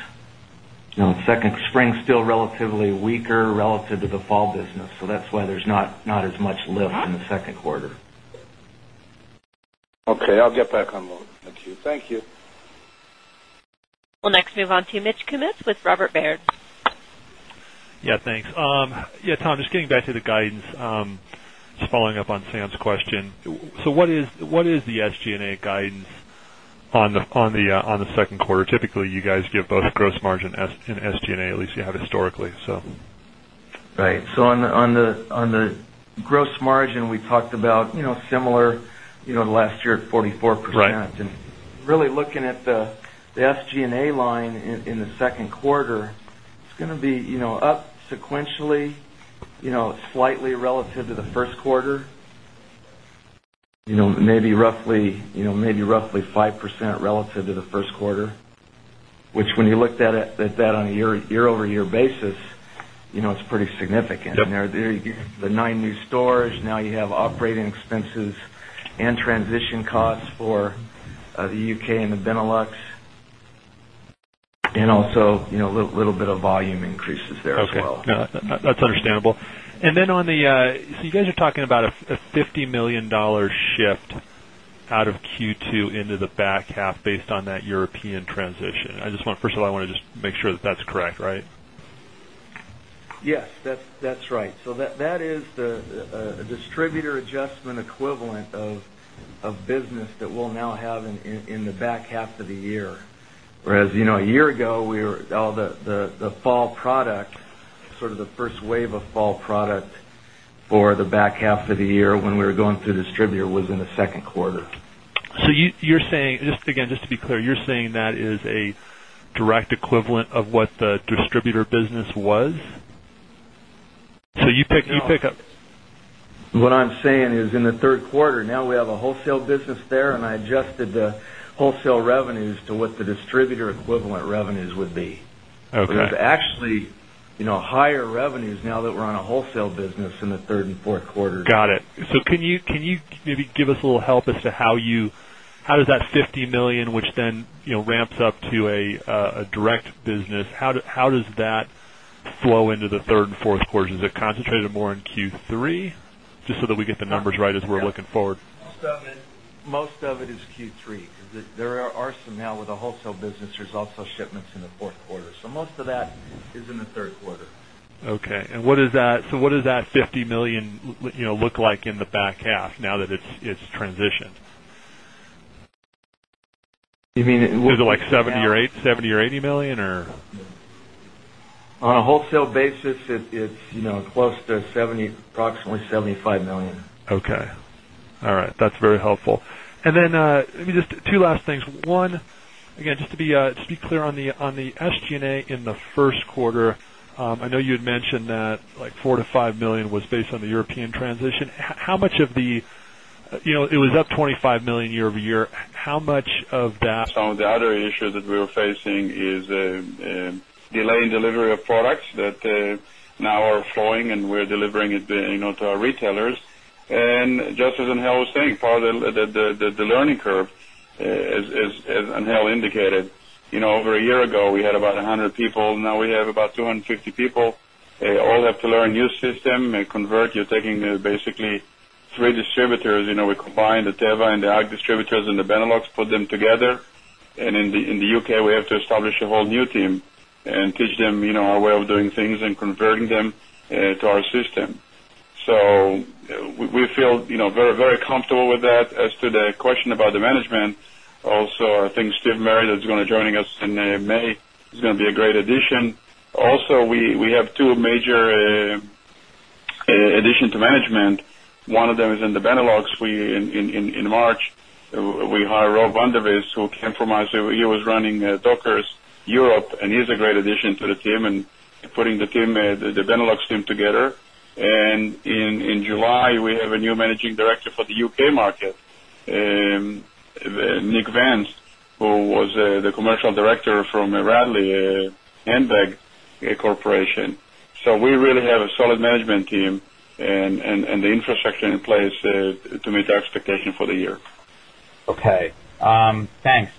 the second spring is still relatively weaker relative to the fall business. That's why there's not as much lift in the second quarter. Okay, I'll get back on queue. Thank you. We'll next move on to Mitch Kummetz with Robert Baird. Yeah, thanks. Tom, just getting back to the guidance, just following up on Sam's question. What is the SG&A guidance on the second quarter? Typically, you guys give both a gross margin and SG&A, at least you have historically. Right. On the gross margin, we talked about similar last year at 44%. Really looking at the SG&A line in the second quarter, it's going to be up sequentially, slightly relative to the first quarter, maybe roughly 5% relative to the first quarter, which when you looked at that on a year-over-year basis, it's pretty significant. There are the nine new stores. Now you have operating expenses and transition costs for the U.K. and the Benelux, and also a little bit of volume increases there as well. Okay, that's understandable. You guys are talking about a $50 million shift out of Q2 into the back half based on that European transition. I just want to make sure that that's correct, right? Yes, that's right. That is the distributor adjustment equivalent of business that we'll now have in the back half of the year. Whereas, you know, a year ago, all the fall product, sort of the first wave of fall product for the back half of the year when we were going through distributor, was in the second quarter. You're saying, just to be clear, you're saying that is a direct equivalent of what the distributor business was? You pick up. What I'm saying is in the third quarter, now we have a wholesale business there, and I adjusted the wholesale revenues to what the distributor equivalent revenues would be. Okay. There's actually, you know, higher revenues now that we're on a wholesale business in the third and fourth quarter. Got it. Can you maybe give us a little help as to how you, how does that $50 million, which then ramps up to a direct business, how does that flow into the third and fourth quarters? Is it concentrated more in Q3? Just so that we get the numbers right as we're looking forward. Most of it is Q3, because there are some now with the wholesale business, there's also shipments in the fourth quarter. Most of that is in the third quarter. Okay. What does that $50 million look like in the back half now that it's transitioned? You mean it will. Is it like $70 million or $80 million or? On a wholesale basis, it's close to 70, approximately $75 million. Okay. All right. That's very helpful. Let me just, two last things. One, again, just to be clear on the SG&A in the first quarter, I know you had mentioned that like $4 million-$5 million was based on the European transition. How much of the, you know, it was up $25 million year-over-year. How much of that? Some of the other issues that we were facing is a delay in delivery of products that now are flowing, and we're delivering it to our retailers. Just as Angel was saying, part of the learning curve, as Angel indicated, you know, over a year ago, we had about 100 people. Now we have about 250 people. All have to learn a new system, convert. You're taking basically three distributors. You know, we combine the Devine and the Ag distributors and the Benelux, put them together. In the U.K., we have to establish a whole new team and teach them, you know, our way of doing things and converting them to our system. We feel, you know, very, very comfortable with that. As to the question about the management, also, I think Steve Murray is going to be joining us in May. He's going to be a great addition. Also, we have two major additions to management. One of them is in the Benelux. In March, we hired Rob van der Vis, who came from us. He was running Dockers Europe, and he's a great addition to the team and putting the team, the Benelux team together. In July, we have a new Managing Director for the U.K. market, Nick Vance, who was the commercial director from Radley Handbag Corporation. We really have a solid management team and the infrastructure in place to meet our expectations for the year. Okay. Thanks.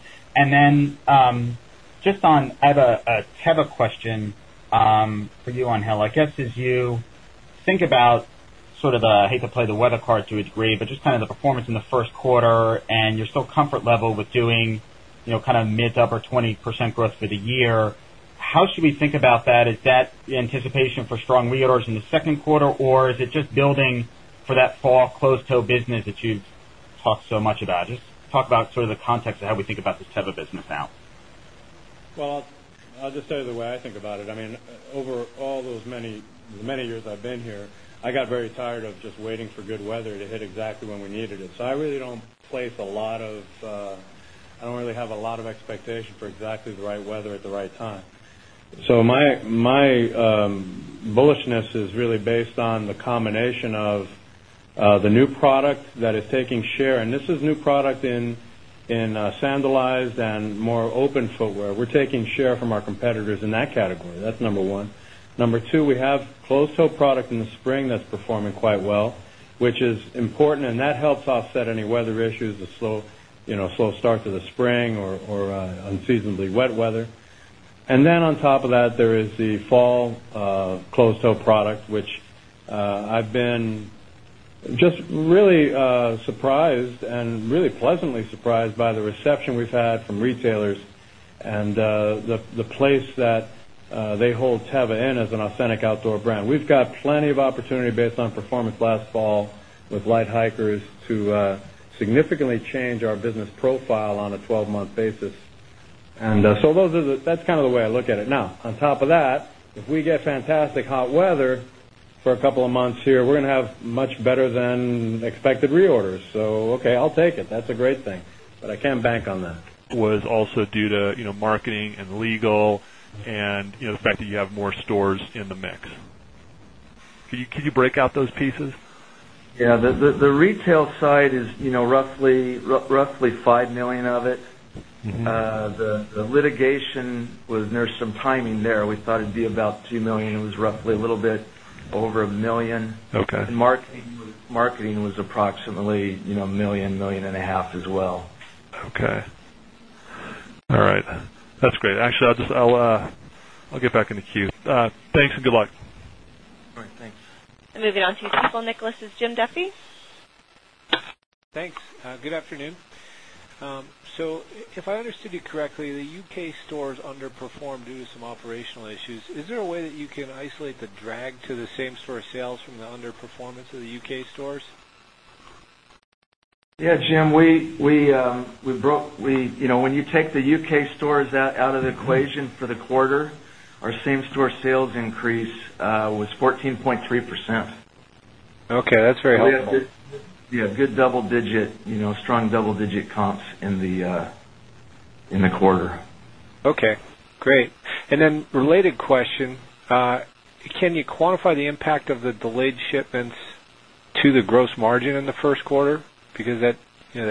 Just on, I have a question for you, Angel. I guess, as you think about sort of the, I hate to play the weather card to a degree, but just kind of the performance in the first quarter and your still comfort level with doing, you know, kind of mid to upper 20% growth for the year, how should we think about that? Is that the anticipation for strong reorders in the second quarter, or is it just building for that fall closed-toe business that you've talked so much about? Just talk about sort of the context of how we think about this type of business now. I'll just tell you the way I think about it. Over all those many, the many years I've been here, I got very tired of just waiting for good weather to hit exactly when we needed it. I really don't place a lot of, I don't really have a lot of expectation for exactly the right weather at the right time. My bullishness is really based on the combination of the new product that is taking share, and this is new product in sandalized and more open footwear. We're taking share from our competitors in that category. That's number one. Number two, we have closed-toe product in the spring that's performing quite well, which is important, and that helps offset any weather issues, the slow, you know, slow start to the spring or unseasonably wet weather. On top of that, there is the fall closed-toe product, which I've been just really surprised and really pleasantly surprised by the reception we've had from retailers and the place that they hold Teva in as an authentic outdoor brand. We've got plenty of opportunity based on performance last fall with Light Hikers to significantly change our business profile on a 12-month basis. Those are the, that's kind of the way I look at it. On top of that, if we get fantastic hot weather for a couple of months here, we're going to have much better than expected reorders. I'll take it. That's a great thing. I can't bank on that. Was also due to marketing and legal and the fact that you have more stores in the mix. Could you break out those pieces? Yeah, the retail side is roughly $5 million of it. The litigation was, there's some timing there. We thought it'd be about $2 million. It was roughly a little bit over $1 million. Okay. Marketing was approximately $1 million, $1.5 million as well. Okay, all right. That's great. Actually, I'll just get back in the queue. Thanks and good luck. All right, thanks. Moving on to Stifel Nicolaus is Jim Duffy. Thanks. Good afternoon. If I understood you correctly, the U.K. stores underperform due to some operational issues. Is there a way that you can isolate the drag to the same-store sales from the underperformance of the U.K. stores? Yeah, Jim, when you take the U.K. stores out of the equation for the quarter, our same-store sales increase was 14.3%. Okay, that's very helpful. We had good, strong double-digit comps in the quarter. Okay. Great. Then related question, can you quantify the impact of the delayed shipments to the gross margin in the first quarter? Because that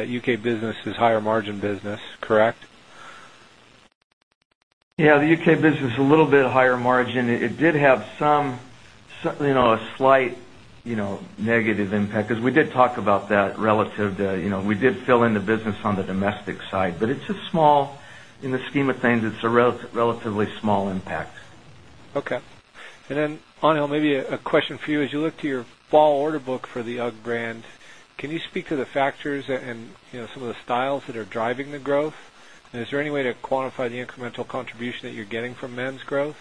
U.K. business is higher margin business, correct? Yeah, the U.K. business is a little bit higher margin. It did have a slight negative impact, because we did talk about that relative to, you know, we did fill in the business on the domestic side. It's just small in the scheme of things. It's a relatively small impact. Okay. Maybe a question for you, Angel. As you look to your fall order book for the UGG brand, can you speak to the factors and some of the styles that are driving the growth? Is there any way to quantify the incremental contribution that you're getting from men's growth?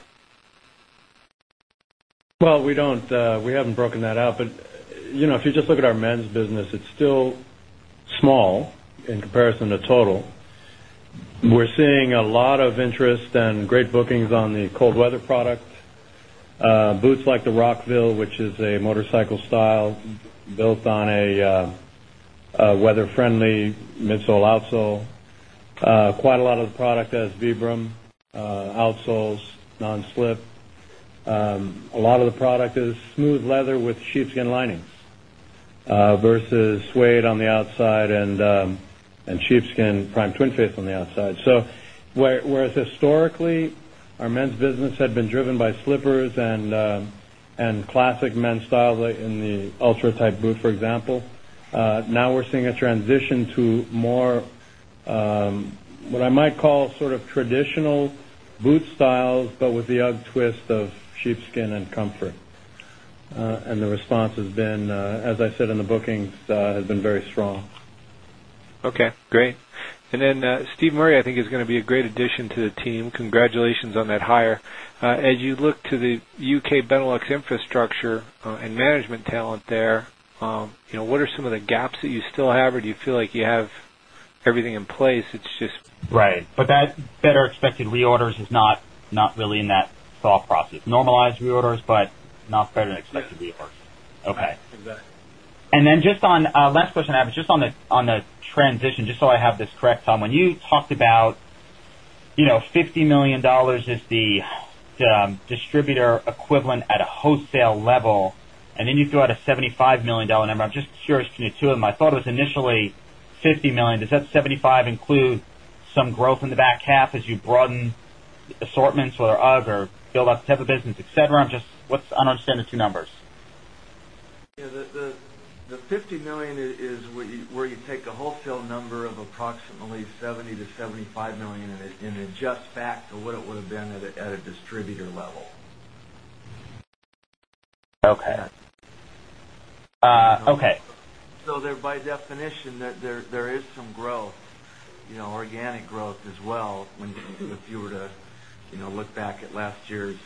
We don't, we haven't broken that out. If you just look at our men's business, it's still small in comparison to total. We're seeing a lot of interest and great bookings on the cold weather product. Boots like the Rockville, which is a motorcycle style built on a weather-friendly midsole/outsole. Quite a lot of the product has Vibram outsoles, non-slip. A lot of the product is smooth leather with sheepskin linings versus suede on the outside and sheepskin prime twin face on the outside. Whereas historically, our men's business had been driven by slippers and classic men's style in the ultra-tight boot, for example, now we're seeing a transition to more what I might call sort of traditional boot styles, but with the UGG twist of sheepskin and comfort. The response has been, as I said in the bookings, has been very strong. Okay. Great. Steve Murray, I think, is going to be a great addition to the team. Congratulations on that hire. As you look to the U.K. Benelux infrastructure and management talent there, what are some of the gaps that you still have, or do you feel like you have everything in place? It's just. Right. That better expected reorders is not really in that thought process. Normalized reorders, but not better than expected reorders. Okay. Exactly. Just on the transition, just so I have this correct, Tom, when you talked about, you know, $50 million is the distributor equivalent at a wholesale level, and then you throw out a $75 million number. I'm just curious, between the two of them, I thought it was initially $50 million. Does that $75 million include some growth in the back half as you broaden the assortments or UGG or build out the type of business, et cetera? I'm just, what's understanding the two numbers? Yeah, the $50 million is where you take a wholesale number of approximately $70 million-$75 million and adjust that to what it would have been at a distributor level. Okay. Okay. By definition, there is some growth, you know, organic growth as well if you were to look back at last year's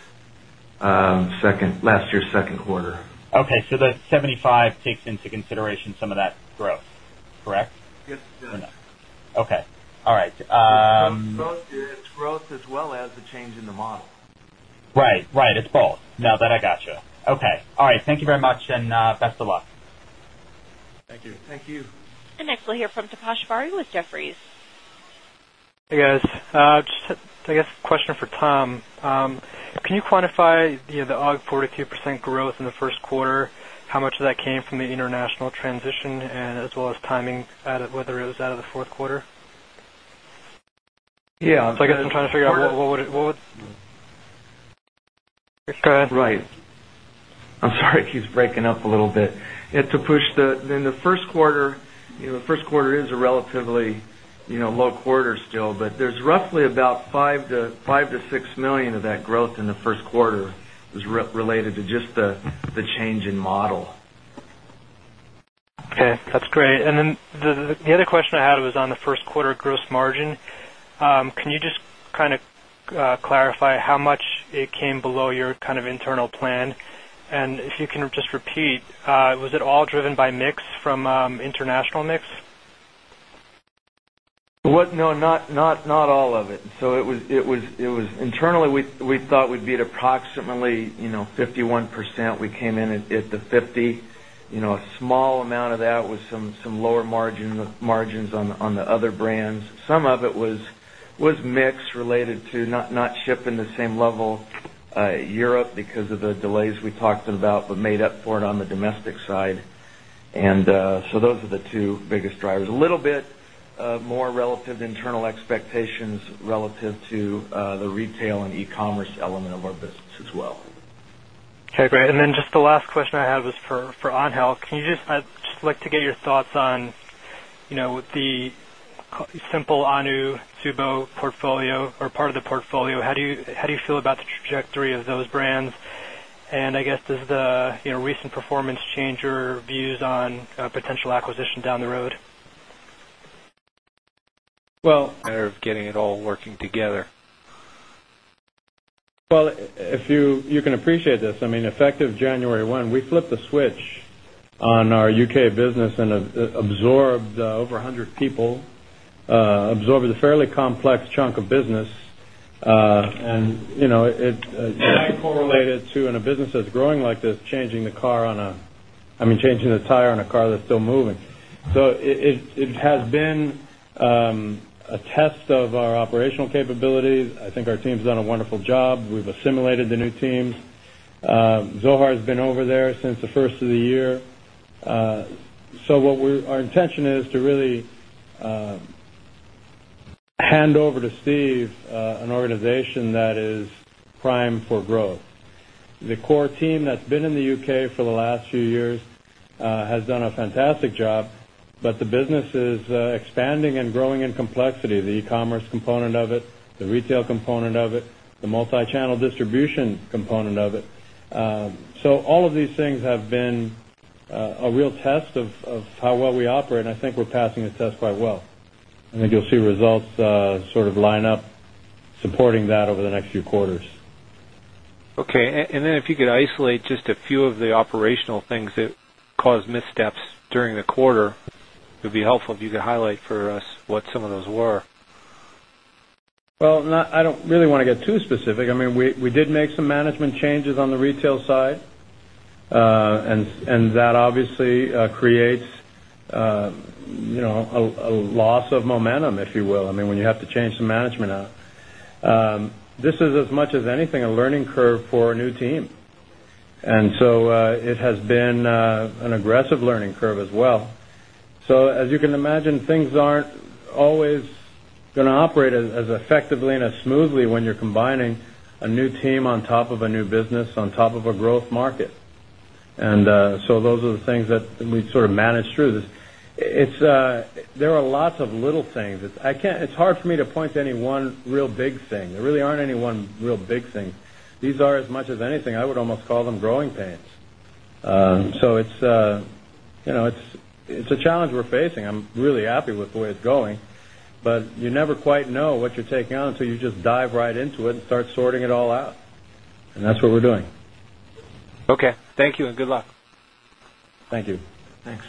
second quarter. Okay, the $75 million takes into consideration some of that growth, correct? Yes, it does. Okay. All right. It's growth as well as a change in the model. Right. Right. It's both. No, I got you. Okay. All right. Thank you very much, and best of luck. Thank you. Thank you. Next, we'll hear from Taposh Bari with Jefferies. Hey, guys. Just, I guess, a question for Tom. Can you quantify the UGG 42% growth in the first quarter? How much of that came from the international transition, as well as timing at it, whether it was out of the fourth quarter? Yeah, I guess I'm trying to figure out what would. Right. Go ahead. Right. I'm sorry he's breaking up a little bit. It's a push that in the first quarter, you know, the first quarter is a relatively, you know, low quarter still, but there's roughly about $5 million-$6 million of that growth in the first quarter was related to just the change in model. Okay. That's great. The other question I had was on the first quarter gross margin. Can you just kind of clarify how much it came below your kind of internal plan? If you can just repeat, was it all driven by mix from international mix? No, not all of it. It was internally, we thought we'd be at approximately 51%. We came in at the 50%. A small amount of that was some lower margins on the other brands. Some of it was mix related to not shipping the same level to Europe because of the delays we talked about, but made up for it on the domestic side. Those are the two biggest drivers. A little bit more relative to internal expectations relative to the retail and e-commerce element of our business as well. Okay. Great. The last question I have is for Angel. I'd just like to get your thoughts on, you know, the Simple, AHNU, TSUBO portfolio or part of the portfolio. How do you feel about the trajectory of those brands? I guess, does the recent performance change your views on potential acquisition down the road? Of getting it all working together. You can appreciate this. Effective January 1, we flipped the switch on our U.K. business and absorbed over 100 people, absorbed a fairly complex chunk of business. You know, it correlated to, in a business that's growing like this, changing the tire on a car that's still moving. It has been a test of our operational capabilities. I think our team's done a wonderful job. We've assimilated the new teams. Zohar's been over there since the first of the year. Our intention is to really hand over to Steve an organization that is prime for growth. The core team that's been in the U.K. for the last few years has done a fantastic job, but the business is expanding and growing in complexity, the e-commerce component of it, the retail component of it, the multi-channel distribution component of it. All of these things have been a real test of how well we operate, and I think we're passing this test quite well. I think you'll see results sort of line up supporting that over the next few quarters. Okay. If you could isolate just a few of the operational things that caused missteps during the quarter, it would be helpful if you could highlight for us what some of those were. I don't really want to get too specific. I mean, we did make some management changes on the retail side, and that obviously creates a loss of momentum, if you will. I mean, when you have to change some management out, this is, as much as anything, a learning curve for a new team. It has been an aggressive learning curve as well. As you can imagine, things aren't always going to operate as effectively and as smoothly when you're combining a new team on top of a new business, on top of a growth market. Those are the things that we sort of managed through this. There are lots of little things. It's hard for me to point to any one real big thing. There really aren't any one real big thing. These are, as much as anything, I would almost call them growing pains. It's a challenge we're facing. I'm really happy with the way it's going, but you never quite know what you're taking on until you just dive right into it and start sorting it all out. That's what we're doing. Okay, thank you and good luck. Thank you. Thanks.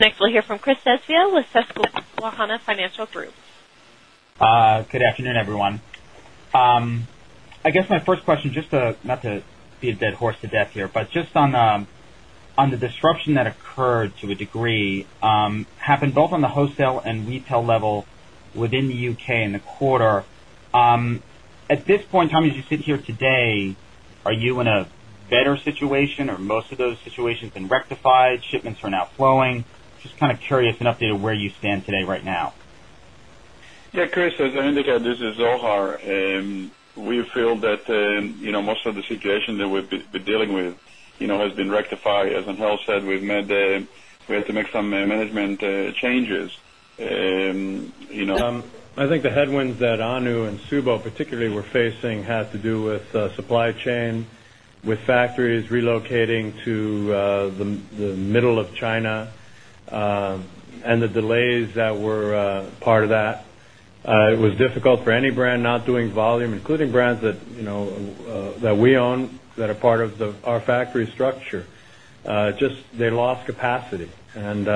Next, we'll hear from [Chris Sesviel] with Susquehanna Financial Group. Good afternoon, everyone. I guess my first question, just not to beat a dead horse to death here, but just on the disruption that occurred to a degree, happened both on the wholesale and retail level within the U.K. in the quarter. At this point in time, as you sit here today, are you in a better situation or have most of those situations been rectified? Shipments are now flowing? Just kind of curious and updated where you stand today right now. Yeah, Chris, as I indicated, this is Zohar. We feel that most of the situation that we've been dealing with has been rectified. As Angel said, we had to make some management changes. I think the headwinds that AHNU and TSUBO, particularly, were facing had to do with supply chain, with factories relocating to the middle of China, and the delays that were part of that. It was difficult for any brand not doing volume, including brands that, you know, that we own that are part of our factory structure. They lost capacity. When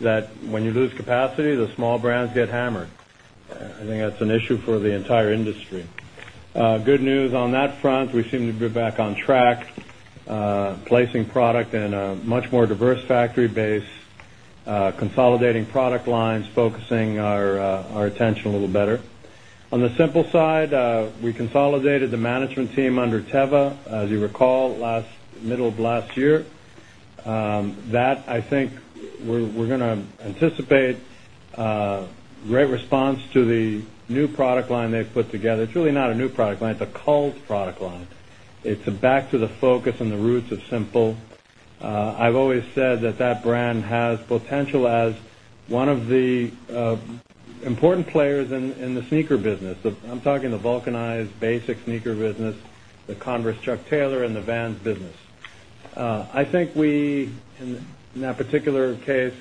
you lose capacity, the small brands get hammered. I think that's an issue for the entire industry. Good news on that front, we seem to be back on track, placing product in a much more diverse factory base, consolidating product lines, focusing our attention a little better. On the Simple side, we consolidated the management team under Teva, as you recall, last middle of last year. I think we're going to anticipate a great response to the new product line they've put together. It's really not a new product line. It's a cult product line. It's back to the focus and the roots of Simple. I've always said that that brand has potential as one of the important players in the sneaker business. I'm talking the vulcanized basic sneaker business, the Converse Chuck Taylor, and the Vans business. I think we, in that particular case,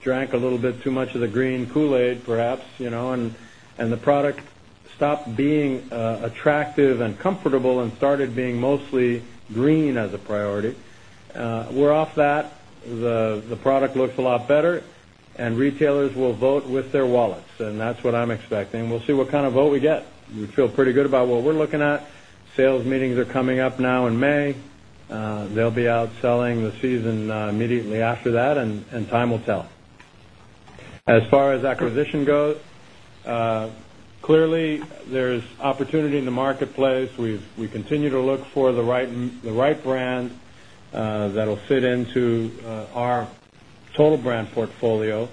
drank a little bit too much of the green Kool-Aid perhaps, you know, and the product stopped being attractive and comfortable and started being mostly green as a priority. We're off that. The product looks a lot better, and retailers will vote with their wallets. That's what I'm expecting. We'll see what kind of vote we get. We feel pretty good about what we're looking at. Sales meetings are coming up now in May. They'll be out selling the season immediately after that, and time will tell. As far as acquisition goes, clearly, there's opportunity in the marketplace. We continue to look for the right brand that'll fit into our total brand portfolio.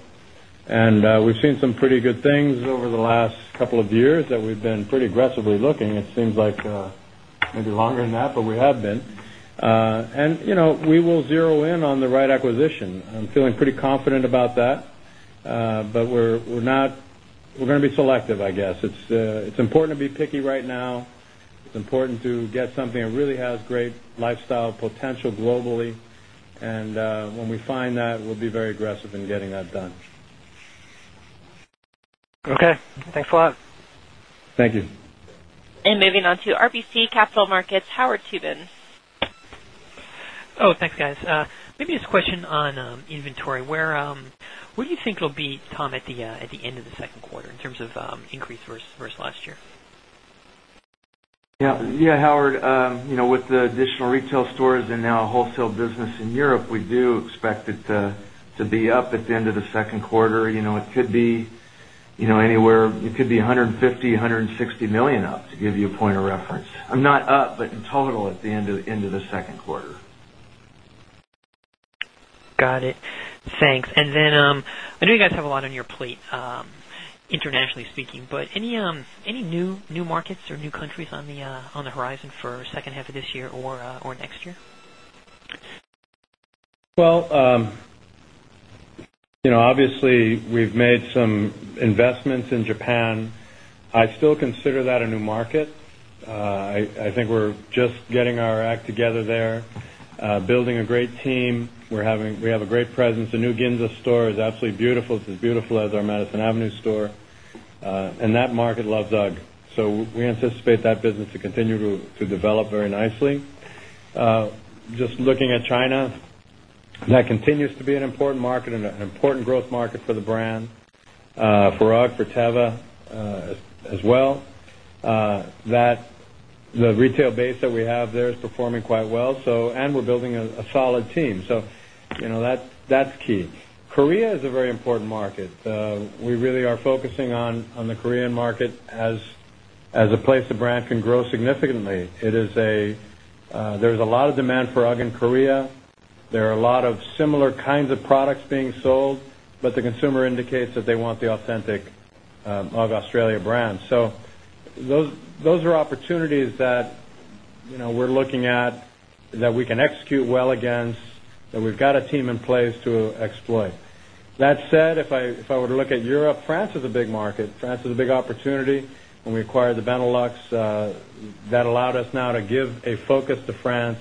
We've seen some pretty good things over the last couple of years that we've been pretty aggressively looking. It seems like maybe longer than that, but we have been. We will zero in on the right acquisition. I'm feeling pretty confident about that. We're going to be selective, I guess. It's important to be picky right now. It's important to get something that really has great lifestyle potential globally. When we find that, we'll be very aggressive in getting that done. Okay, thanks a lot. Thank you. Moving on to RBC Capital Markets, Howard Tubin. Oh, thanks, guys. Maybe just a question on inventory. Where do you think it'll be, Tom, at the end of the second quarter in terms of increase versus last year? Yeah, Howard, with the additional retail stores and now a wholesale business in Europe, we do expect it to be up at the end of the second quarter. It could be anywhere, it could be $150 million, $160 million up, to give you a point of reference. Not up, but in total, at the end of the second quarter. Got it. Thanks. I know you guys have a lot on your plate, internationally speaking, but any new markets or new countries on the horizon for the second half of this year or next year? Obviously, we've made some investments in Japan. I still consider that a new market. I think we're just getting our act together there, building a great team. We have a great presence. The new Ginza store is absolutely beautiful. It's as beautiful as our Madison Avenue store. That market loves UGG. We anticipate that business to continue to develop very nicely. Just looking at China, that continues to be an important market and an important growth market for the brand, for UGG, for Teva as well. The retail base that we have there is performing quite well, and we're building a solid team. That's key. Korea is a very important market. We really are focusing on the Korean market as a place the brand can grow significantly. There's a lot of demand for UGG in Korea. There are a lot of similar kinds of products being sold, but the consumer indicates that they want the authentic UGG Australia brand. Those are opportunities that we're looking at that we can execute well against, that we've got a team in place to exploit. That said, if I were to look at Europe, France is a big market. France is a big opportunity. When we acquired the Benelux, that allowed us now to give a focus to France.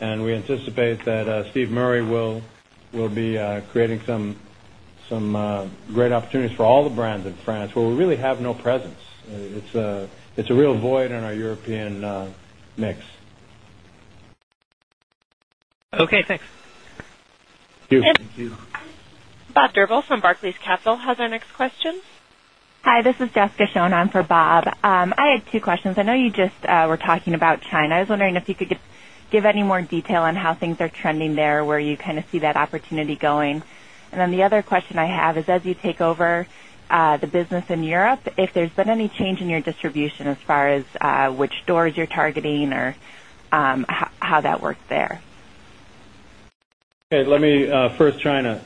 We anticipate that Steve Murray will be creating some great opportunities for all the brands in France where we really have no presence. It's a real void in our European mix. Okay. Thanks. Thank you. Bob Deverill from Barclays Capital has our next question. Hi, this is Jessica [Schoenheim] for Bob. I had two questions. I know you just were talking about China. I was wondering if you could give any more detail on how things are trending there, where you kind of see that opportunity going. The other question I have is, as you take over the business in Europe, if there's been any change in your distribution as far as which stores you're targeting or how that worked there. Okay. Let me first China.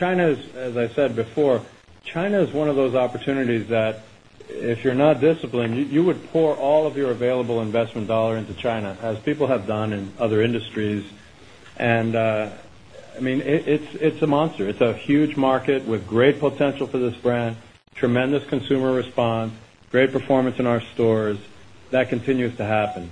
As I said before, China is one of those opportunities that if you're not disciplined, you would pour all of your available investment dollar into China, as people have done in other industries. I mean, it's a monster. It's a huge market with great potential for this brand, tremendous consumer response, great performance in our stores. That continues to happen.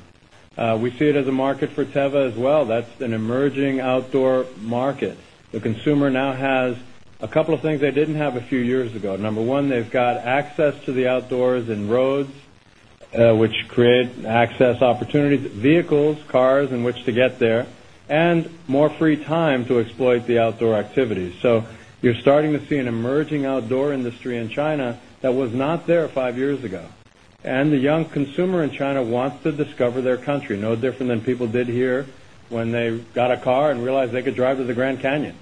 We see it as a market for Teva as well. That's an emerging outdoor market. The consumer now has a couple of things they didn't have a few years ago. Number one, they've got access to the outdoors and roads, which create access opportunities, vehicles, cars in which to get there, and more free time to exploit the outdoor activities. You're starting to see an emerging outdoor industry in China that was not there five years ago. The young consumer in China wants to discover their country, no different than people did here when they got a car and realized they could drive to the Grand Canyon.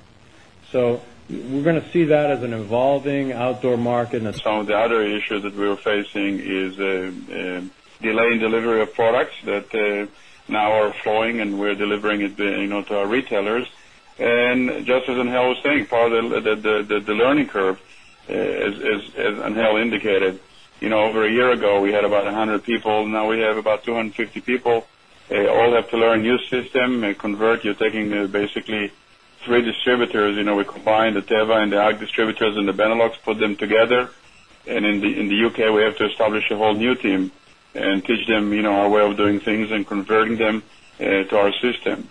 We're going to see that as an evolving outdoor market. Some of the other issues that we were facing is delay in delivery of products that now are flowing, and we're delivering it to our retailers. Just as Angel was saying, part of the learning curve, as Angel indicated, you know, over a year ago, we had about 100 people. Now we have about 250 people. All have to learn a new system, convert. You're taking basically three distributors. We combined the Teva and the UGG distributors and the Benelux, put them together. In the U.K., we have to establish a whole new team and teach them, you know, our way of doing things and converting them to our system.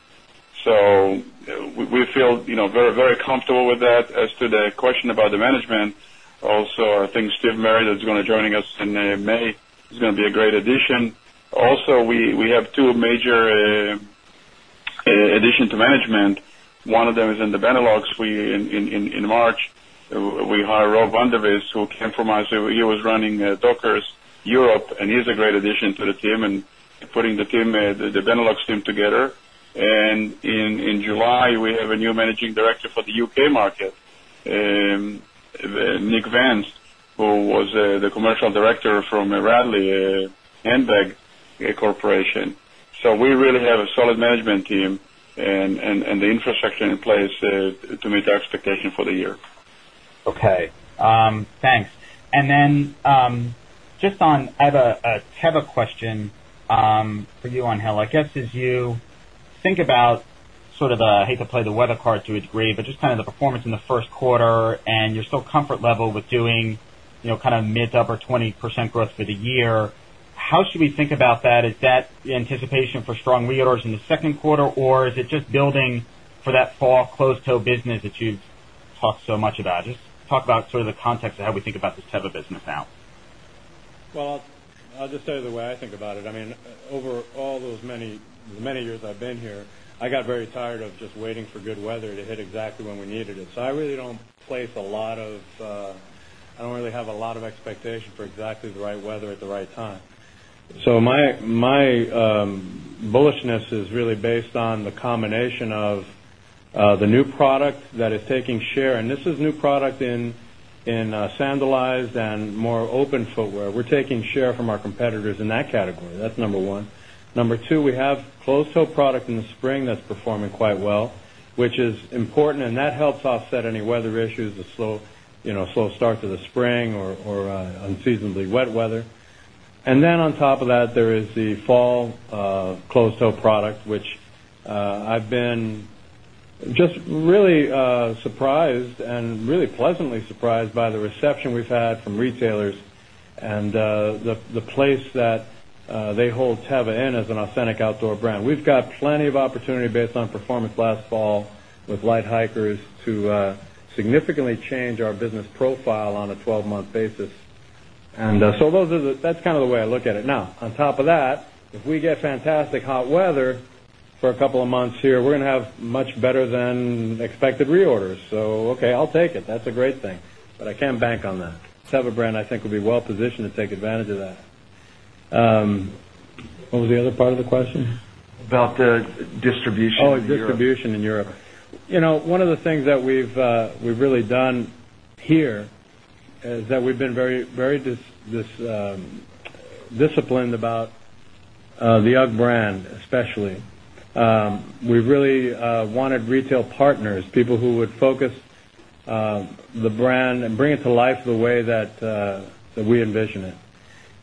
We feel, you know, very, very comfortable with that. As to the question about the management, also, I think Steve Murray that's going to be joining us in May is going to be a great addition. Also, we have two major additions to management. One of them is in the Benelux. In March, we hired Rob van der Vis, who came from us. He was running Dockers Europe, and he's a great addition to the team and putting the team, the Benelux team together. In July, we have a new Managing Director for the U.K. market, Nick Vance, who was the commercial director from Radley Handbag Corporation. We really have a solid management team and the infrastructure in place to meet our expectations for the year. Okay. Thanks. Just on, I have a Teva question for you, Angel. I guess, as you think about sort of, I hate to play the weather card to a degree, but just kind of the performance in the first quarter and your still comfort level with doing, you know, kind of mid to upper 20% growth for the year, how should we think about that? Is that the anticipation for strong reorders in the second quarter, or is it just building for that fall closed-toe business that you've talked so much about? Just talk about sort of the context of how we think about this type of business now. I'll just tell you the way I think about it. I mean, over all those many, the many years I've been here, I got very tired of just waiting for good weather to hit exactly when we needed it. I really don't place a lot of, I don't really have a lot of expectation for exactly the right weather at the right time. My bullishness is really based on the combination of the new product that is taking share, and this is new product in sandalized and more open footwear. We're taking share from our competitors in that category. That's number one. Number two, we have closed-toe product in the spring that's performing quite well, which is important, and that helps offset any weather issues, the slow, you know, slow start to the spring or unseasonably wet weather. On top of that, there is the fall closed-toe product, which I've been just really surprised and really pleasantly surprised by the reception we've had from retailers and the place that they hold Teva in as an authentic outdoor brand. We've got plenty of opportunity based on performance last fall with Light Hikers to significantly change our business profile on a 12-month basis. Those are the, that's kind of the way I look at it. Now, on top of that, if we get fantastic hot weather for a couple of months here, we're going to have much better than expected reorders. I'll take it. That's a great thing. I can't bank on that. Teva brand, I think, would be well positioned to take advantage of that. What was the other part of the question? About the distribution in Europe. Oh, distribution in Europe. One of the things that we've really done here is that we've been very disciplined about the UGG brand, especially. We really wanted retail partners, people who would focus the brand and bring it to life the way that we envision it.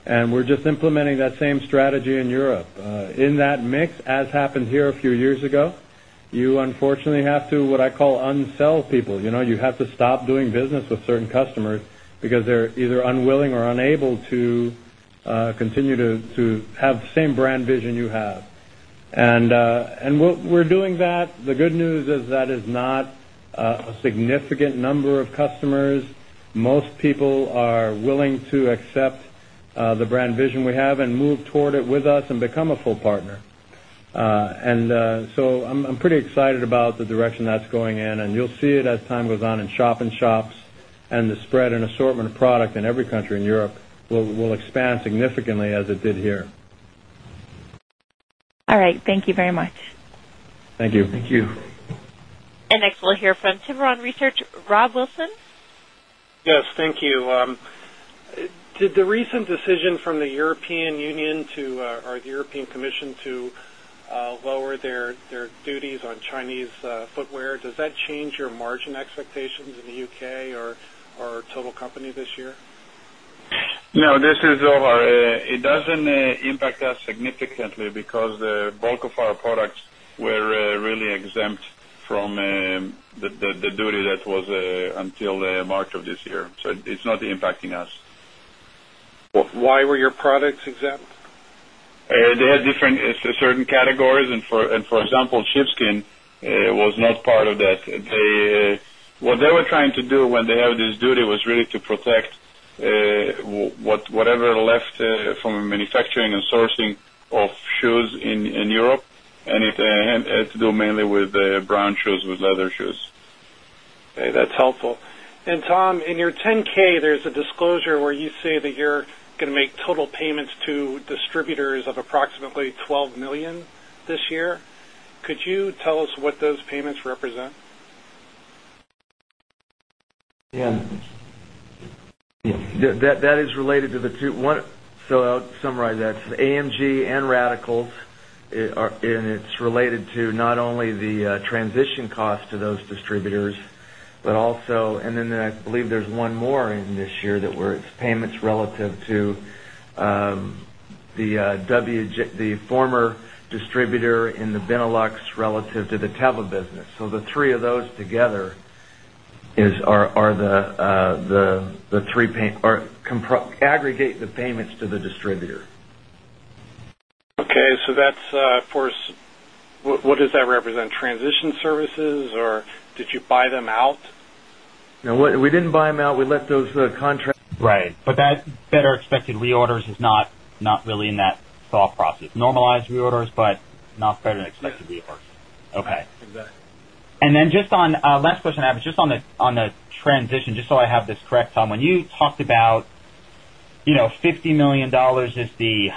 We're just implementing that same strategy in Europe. In that mix, as happened here a few years ago, you unfortunately have to, what I call, unsell people. You have to stop doing business with certain customers because they're either unwilling or unable to continue to have the same brand vision you have. We're doing that. The good news is that is not a significant number of customers. Most people are willing to accept the brand vision we have and move toward it with us and become a full partner. I'm pretty excited about the direction that's going in. You'll see it as time goes on in shop and shops, and the spread and assortment of product in every country in Europe will expand significantly as it did here. All right, thank you very much. Thank you. Thank you. Next, we'll hear from Tiburon Research. Rob Wilson. Yes, thank you. Did the recent decision from the European Union, or the European Commission, to lower their duties on Chinese footwear, does that change your margin expectations in the U.K. or total company this year? No, this is Zohar. It doesn't impact us significantly because the bulk of our products were really exempt from the duty that was until March of this year. It's not impacting us. Why were your products exempt? They had different certain categories. For example, sheepskin was not part of that. What they were trying to do when they had this duty was really to protect whatever left from manufacturing and sourcing of shoes in Europe. It had to do mainly with the brown shoes, with leather shoes. Okay, that's helpful. Tom, in your 10-K, there's a disclosure where you say that you're going to make total payments to distributors of approximately $12 million this year. Could you tell us what those payments represent? Yeah, that is related to the two. I'll summarize that. It's the AMG and Radicals, and it's related to not only the transition cost to those distributors, but also, I believe there's one more in this year that were payments relative to the former distributor in the Benelux relative to the Teva business. The three of those together are the three aggregate the payments to the distributor. Okay, that's for, what does that represent? Transition services, or did you buy them out? No, we didn't buy them out. We let those contracts. Right. That better expected reorders is not really in that thought process. Normalized reorders, but not better than expected reorders. Okay. Exactly. Just on the transition, just so I have this correct, Tom, when you talked about $50 million is the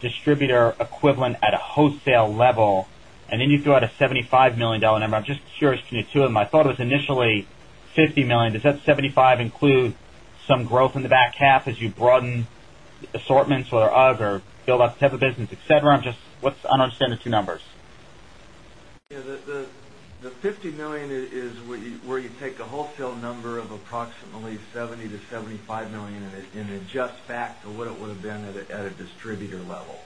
distributor equivalent at a wholesale level, and then you throw out a $75 million number. I'm just curious between the two of them. I thought it was initially $50 million. Does that $75 million include some growth in the back half as you broaden assortments or UGG or build out the type of business, et cetera? I'm just, what's understanding the two numbers? The $50 million is where you take a wholesale number of approximately $70 million-$75 million and adjust back to what it would have been at a distributor level.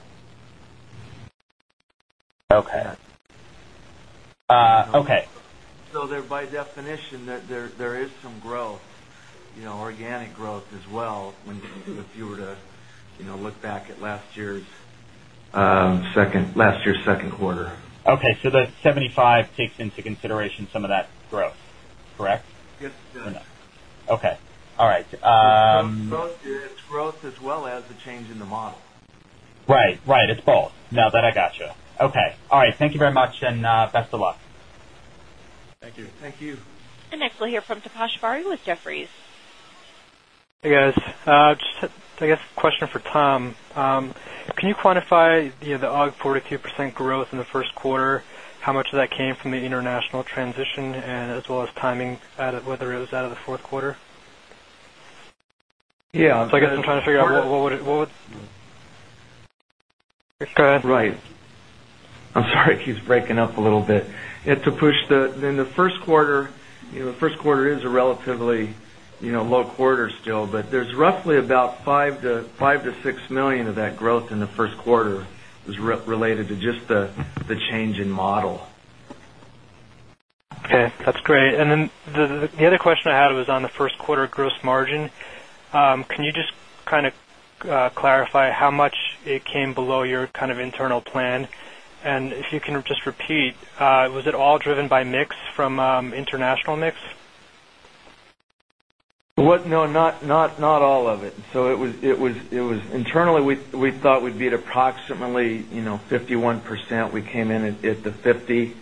Okay. Okay. By definition, there is some growth, you know, organic growth as well when you were to, you know, look back at last year's second quarter. Okay, the $75 million takes into consideration some of that growth, correct? Yes, it does. Okay, all right. It's growth as well as a change in the model. Right. It's both. No, I got you. Okay. All right. Thank you very much, and best of luck. Thank you. Thank you. Next, we'll hear from Taposh Bari with Jefferies. Hey, guys. I guess a question for Tom. Can you quantify the UGG 42% growth in the first quarter? How much of that came from the international transition, as well as timing at it, whether it was out of the fourth quarter? Yeah. I guess I'm trying to figure out what would. Right. Go ahead. Right. I'm sorry he's breaking up a little bit. It's a push that in the first quarter, you know, the first quarter is a relatively, you know, low quarter still, but there's roughly about $5 million-$6 million of that growth in the first quarter was related to just the change in model. Okay. That's great. The other question I had was on the first quarter gross margin. Can you just kind of clarify how much it came below your kind of internal plan? If you can just repeat, was it all driven by mix from international mix? No, not all of it. It was internally, we thought we'd be at approximately 51%. We came in at the 50%.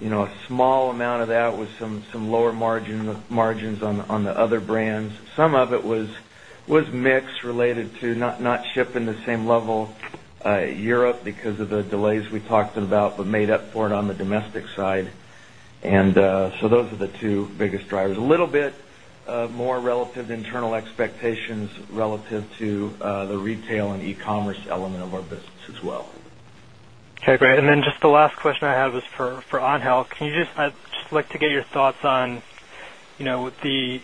A small amount of that was some lower margins on the other brands. Some of it was mix related to not shipping the same level to Europe because of the delays we talked about, but made up for it on the domestic side. Those are the two biggest drivers. A little bit more relative to internal expectations relative to the retail and e-commerce element of our business as well. Okay. Great. The last question I have is for Angel. I'd just like to get your thoughts on, you know, with the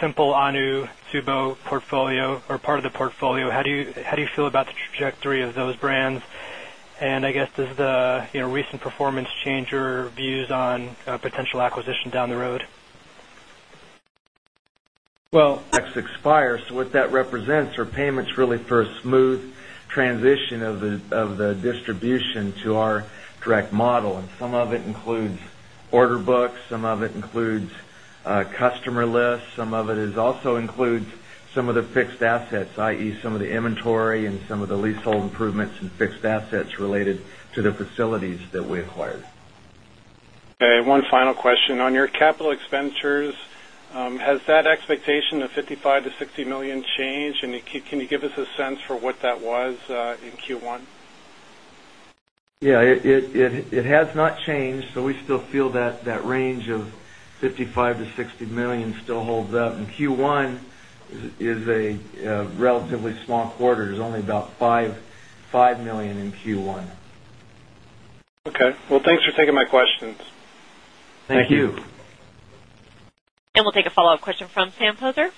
Simple, AHNU, TSUBO portfolio or part of the portfolio, how do you feel about the trajectory of those brands? I guess, does the recent performance change your views on potential acquisition down the road? That represents payments really for a smooth transition of the distribution to our direct model. Some of it includes order books, some of it includes customer lists, and some of it also includes some of the fixed assets, i.e., some of the inventory and some of the leasehold improvements and fixed assets related to the facilities that we acquired. Okay. One final question on your capital expenditures. Has that expectation of $55 million-$60 million changed? Can you give us a sense for what that was in Q1? Yeah, it has not changed. We still feel that that range of $55 million-$60 million still holds up. Q1 is a relatively small quarter. There's only about $5 million in Q1. Okay. Thanks for taking my questions. Thank you. We'll take a follow-up question from Sam Poser.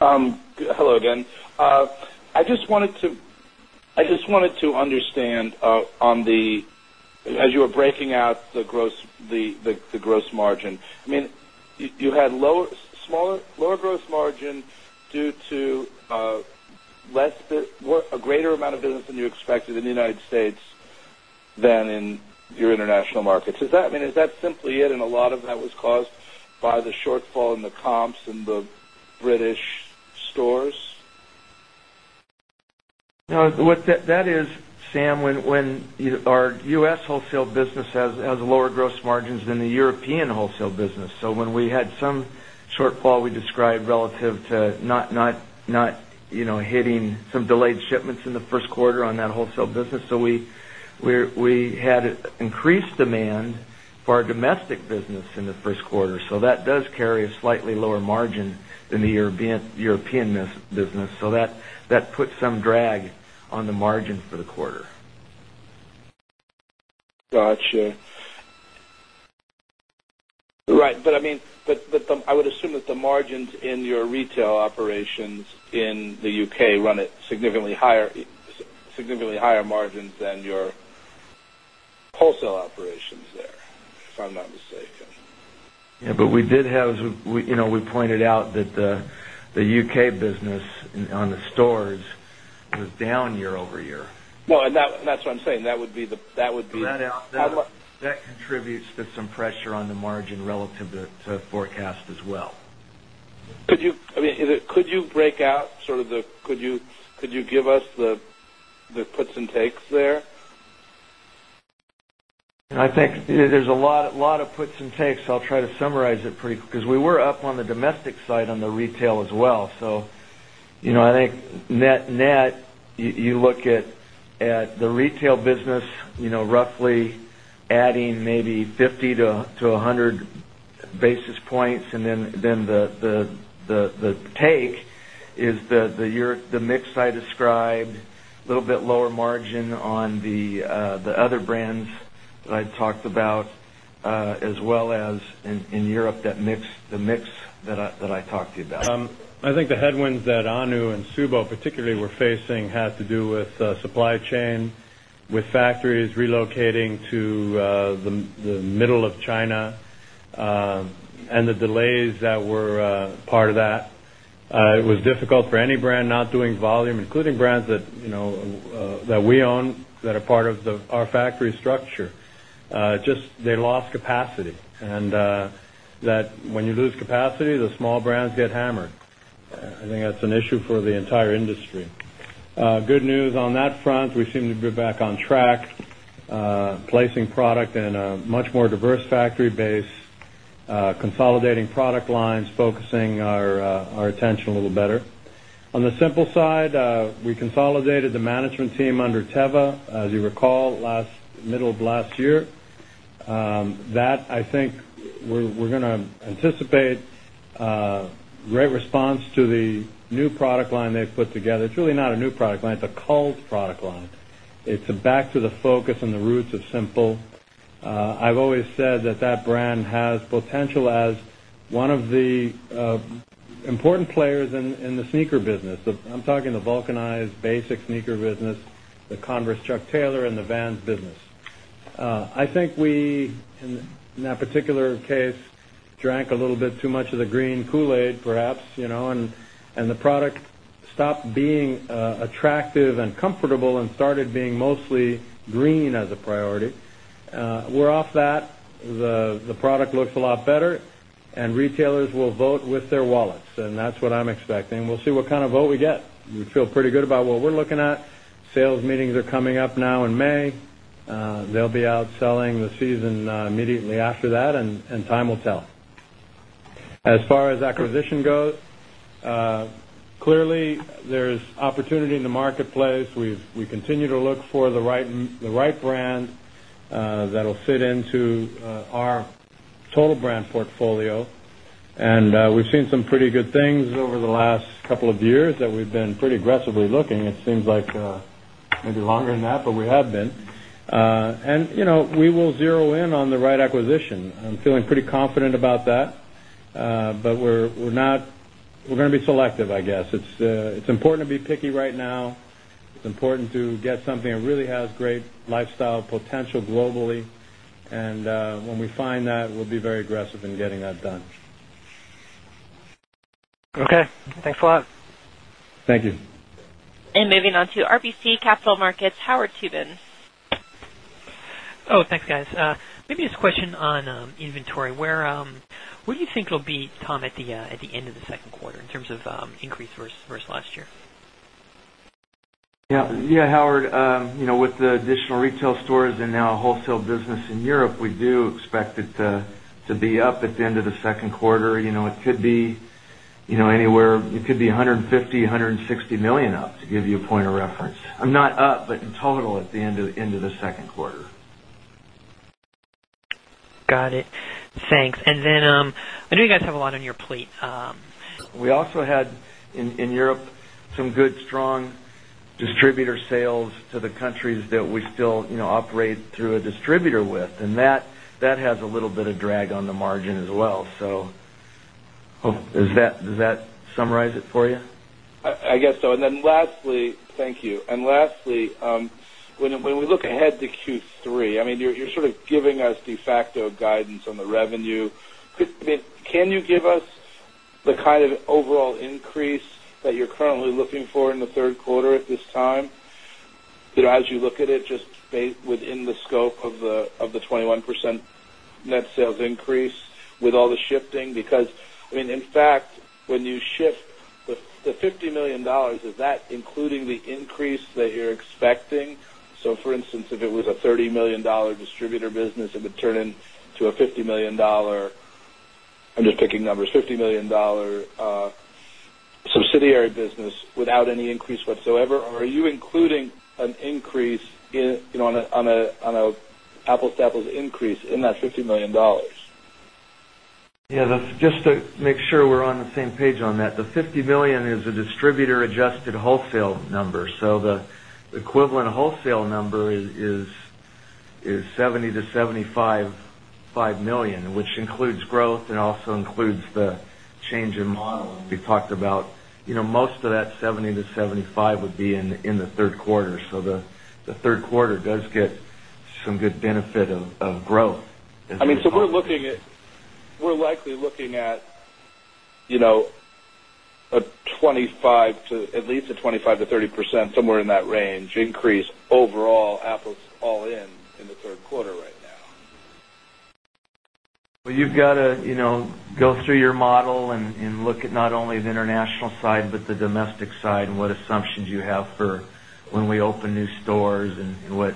Hello again. I just wanted to understand, as you were breaking out the gross margin. You had lower, smaller gross margin due to a greater amount of business than you expected in the United States than in your international markets. Is that simply it? A lot of that was caused by the shortfall in the comps in the British stores? No, what that is, Sam, is when our U.S. wholesale business has lower gross margins than the European wholesale business. When we had some shortfall, we described relative to not hitting some delayed shipments in the first quarter on that wholesale business. We had increased demand for our domestic business in the first quarter, and that does carry a slightly lower margin than the European business. That puts some drag on the margin for the quarter. Got you. Right. I would assume that the margins in your retail operations in the U.K. run at significantly higher margins than your wholesale operations there, if I'm not mistaken. Yeah, we did have, you know, we pointed out that the U.K. business on the stores was down year-over-year. That's what I'm saying that would be the. That contributes to some pressure on the margin relative to forecast as well. Could you break out sort of the, could you give us the puts and takes there? I think there's a lot of puts and takes. I'll try to summarize it pretty quick because we were up on the domestic side on the retail as well. I think net net, you look at the retail business, roughly adding maybe 50 basis points-100 basis points. The take is the mix I described, a little bit lower margin on the other brands that I talked about, as well as in Europe, the mix that I talked to you about. I think the headwinds that AHNU and TSUBO particularly were facing had to do with supply chain, with factories relocating to the middle of China, and the delays that were part of that. It was difficult for any brand not doing volume, including brands that we own that are part of our factory structure. They lost capacity, and when you lose capacity, the small brands get hammered. I think that's an issue for the entire industry. Good news on that front, we seem to be back on track, placing product in a much more diverse factory base, consolidating product lines, focusing our attention a little better. On the Simple side, we consolidated the management team under Teva, as you recall, last middle of last year. I think we're going to anticipate a great response to the new product line they've put together. It's really not a new product line. It's a cult product line. It's back to the focus and the roots of Simple. I've always said that brand has potential as one of the important players in the sneaker business. I'm talking the vulcanized basic sneaker business, the Converse Chuck Taylor, and the Vans business. I think we, in that particular case, drank a little bit too much of the green Kool-Aid perhaps, and the product stopped being attractive and comfortable and started being mostly green as a priority. We're off that. The product looks a lot better, and retailers will vote with their wallets. That's what I'm expecting. We'll see what kind of vote we get. We feel pretty good about what we're looking at. Sales meetings are coming up now in May. They'll be out selling the season immediately after that, and time will tell. As far as acquisition goes, clearly, there's opportunity in the marketplace. We continue to look for the right brand that'll fit into our total brand portfolio. We've seen some pretty good things over the last couple of years that we've been pretty aggressively looking. It seems like maybe longer than that, but we have been. We will zero in on the right acquisition. I'm feeling pretty confident about that. We're going to be selective, I guess. It's important to be picky right now. It's important to get something that really has great lifestyle potential globally. When we find that, we'll be very aggressive in getting that done. Okay, thanks a lot. Thank you. Moving on to RBC Capital Markets, Howard Tubin. Oh, thanks, guys. Maybe just a question on inventory. Where do you think it'll be, Tom, at the end of the second quarter in terms of increase versus last year? Yeah, Howard, with the additional retail stores and now a wholesale business in Europe, we do expect it to be up at the end of the second quarter. It could be anywhere, it could be $150 million, $160 million up, to give you a point of reference. Not up, but in total, at the end of the second quarter. Got it. Thanks. I know you guys have a lot on your plate. We also had in Europe some good, strong distributor sales to the countries that we still operate through a distributor with, and that has a little bit of drag on the margin as well. Does that summarize it for you? I guess so. Lastly, thank you. Lastly, when we look ahead to Q3, you're sort of giving us de facto guidance on the revenue. Can you give us the kind of overall increase that you're currently looking for in the third quarter at this time? As you look at it, just based within the scope of the 21% net sales increase with all the shifting? In fact, when you shift the $50 million, is that including the increase that you're expecting? For instance, if it was a $30 million distributor business, it would turn into a $50 million, I'm just picking numbers, $50 million subsidiary business without any increase whatsoever. Or are you including an increase, you know, on an apples to apples increase in that $50 million? Yeah, that's just to make sure we're on the same page on that. The $50 million is a distributor-adjusted wholesale number. The equivalent wholesale number is $70 million-$75 million, which includes growth and also includes the change in model. We talked about most of that $70 million-$75 million would be in the third quarter. The third quarter does get some good benefit of growth. We're likely looking at a 25% to at least a 25%-30% somewhere in that range increase overall, apples all in, in the third quarter right now. You have to go through your model and look at not only the international side, but the domestic side and what assumptions you have for when we open new stores and what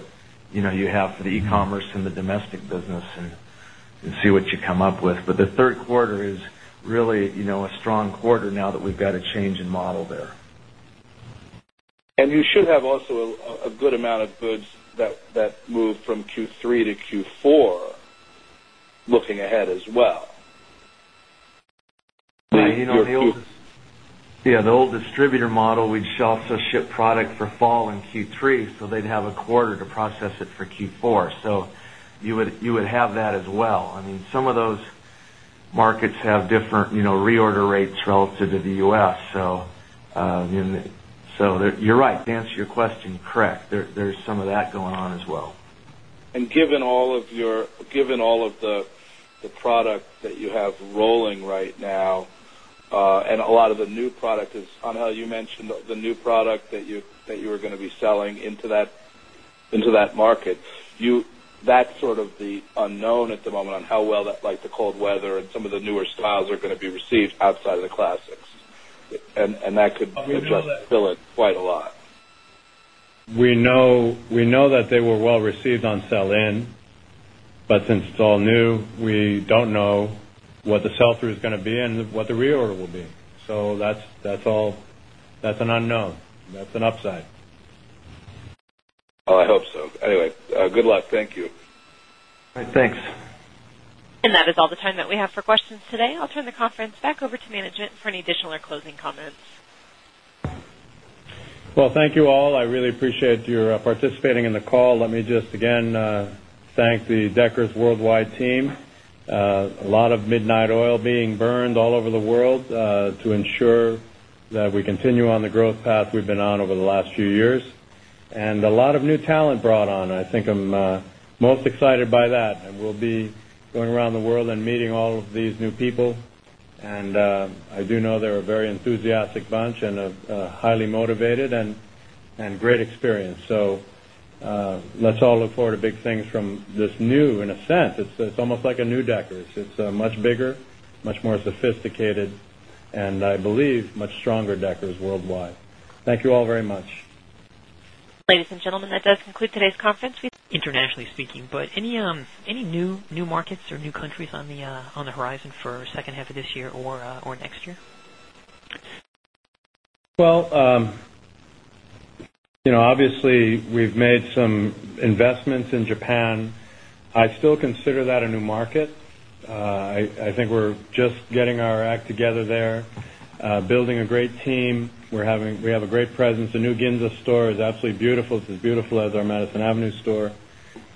you have for the e-commerce and the domestic business and see what you come up with. The third quarter is really a strong quarter now that we've got a change in model there. You should also have a good amount of goods that move from Q3 to Q4 looking ahead as well. Yeah, the old distributor model, we'd also ship product for fall in Q3, so they'd have a quarter to process it for Q4. You would have that as well. Some of those markets have different reorder rates relative to the U.S. You're right, to answer your question, correct. There's some of that going on as well. Given all of the product that you have rolling right now, and a lot of the new product is, Angel, you mentioned the new product that you were going to be selling into that market. That's sort of the unknown at the moment on how well that, like the cold weather and some of the newer styles, are going to be received outside of the classics. That could really fill it quite a lot. We know that they were well received on sell-in, but since it's all new, we don't know what the sell-through is going to be and what the reorder will be. That's all, that's an unknown. That's an upside. I hope so. Anyway, good luck. Thank you. All right, thanks. That is all the time that we have for questions today. I'll turn the conference back over to management for any additional or closing comments. Thank you all. I really appreciate your participating in the call. Let me just again thank the Deckers worldwide team. A lot of midnight oil being burned all over the world to ensure that we continue on the growth path we've been on over the last few years. A lot of new talent brought on. I think I'm most excited by that. We'll be going around the world and meeting all of these new people. I do know they're a very enthusiastic bunch and highly motivated and great experience. Let's all look forward to big things from this new, in a sense. It's almost like a new Deckers. It's a much bigger, much more sophisticated, and I believe much stronger Deckers worldwide. Thank you all very much. Ladies and gentlemen, that does conclude today's conference. Internationally speaking, are there any new markets or new countries on the horizon for the second half of this year or next year? Obviously, we've made some investments in Japan. I still consider that a new market. I think we're just getting our act together there, building a great team. We have a great presence. The new Ginza store is absolutely beautiful. It's as beautiful as our Madison Avenue store.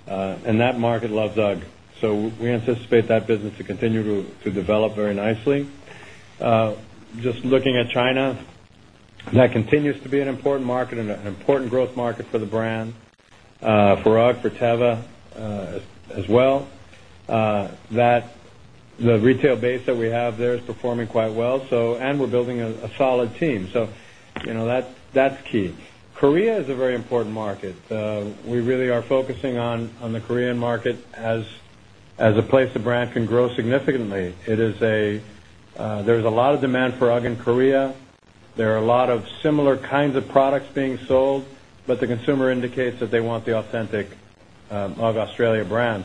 That market loves UGG. We anticipate that business to continue to develop very nicely. Just looking at China, that continues to be an important market and an important growth market for the brand. Baroque for Teva as well. The retail base that we have there is performing quite well. We're building a solid team. That's key. Korea is a very important market. We really are focusing on the Korean market as a place the brand can grow significantly. There's a lot of demand for UGG in Korea. There are a lot of similar kinds of products being sold, but the consumer indicates that they want the authentic UGG Australia brand.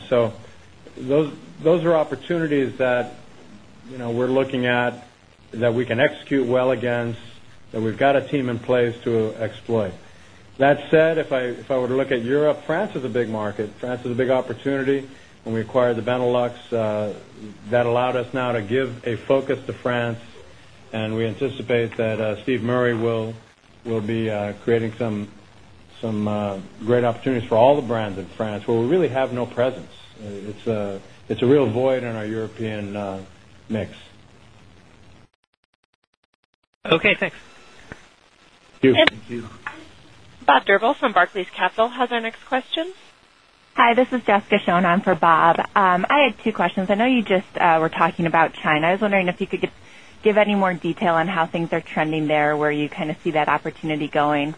Those are opportunities that we're looking at that we can execute well against, that we've got a team in place to exploit. That said, if I were to look at Europe, France is a big market. France is a big opportunity. When we acquired the Benelux, that allowed us now to give a focus to France. We anticipate that Steve Murray will be creating some great opportunities for all the brands in France where we really have no presence. It's a real void in our European mix. Okay. Thanks. Thank you. Bob Deverill from Barclays Capital has our next question. Hi, this is Jessica [Schoenheim] for Bob. I had two questions. I know you just were talking about China. I was wondering if you could give any more detail on how things are trending there, where you kind of see that opportunity going.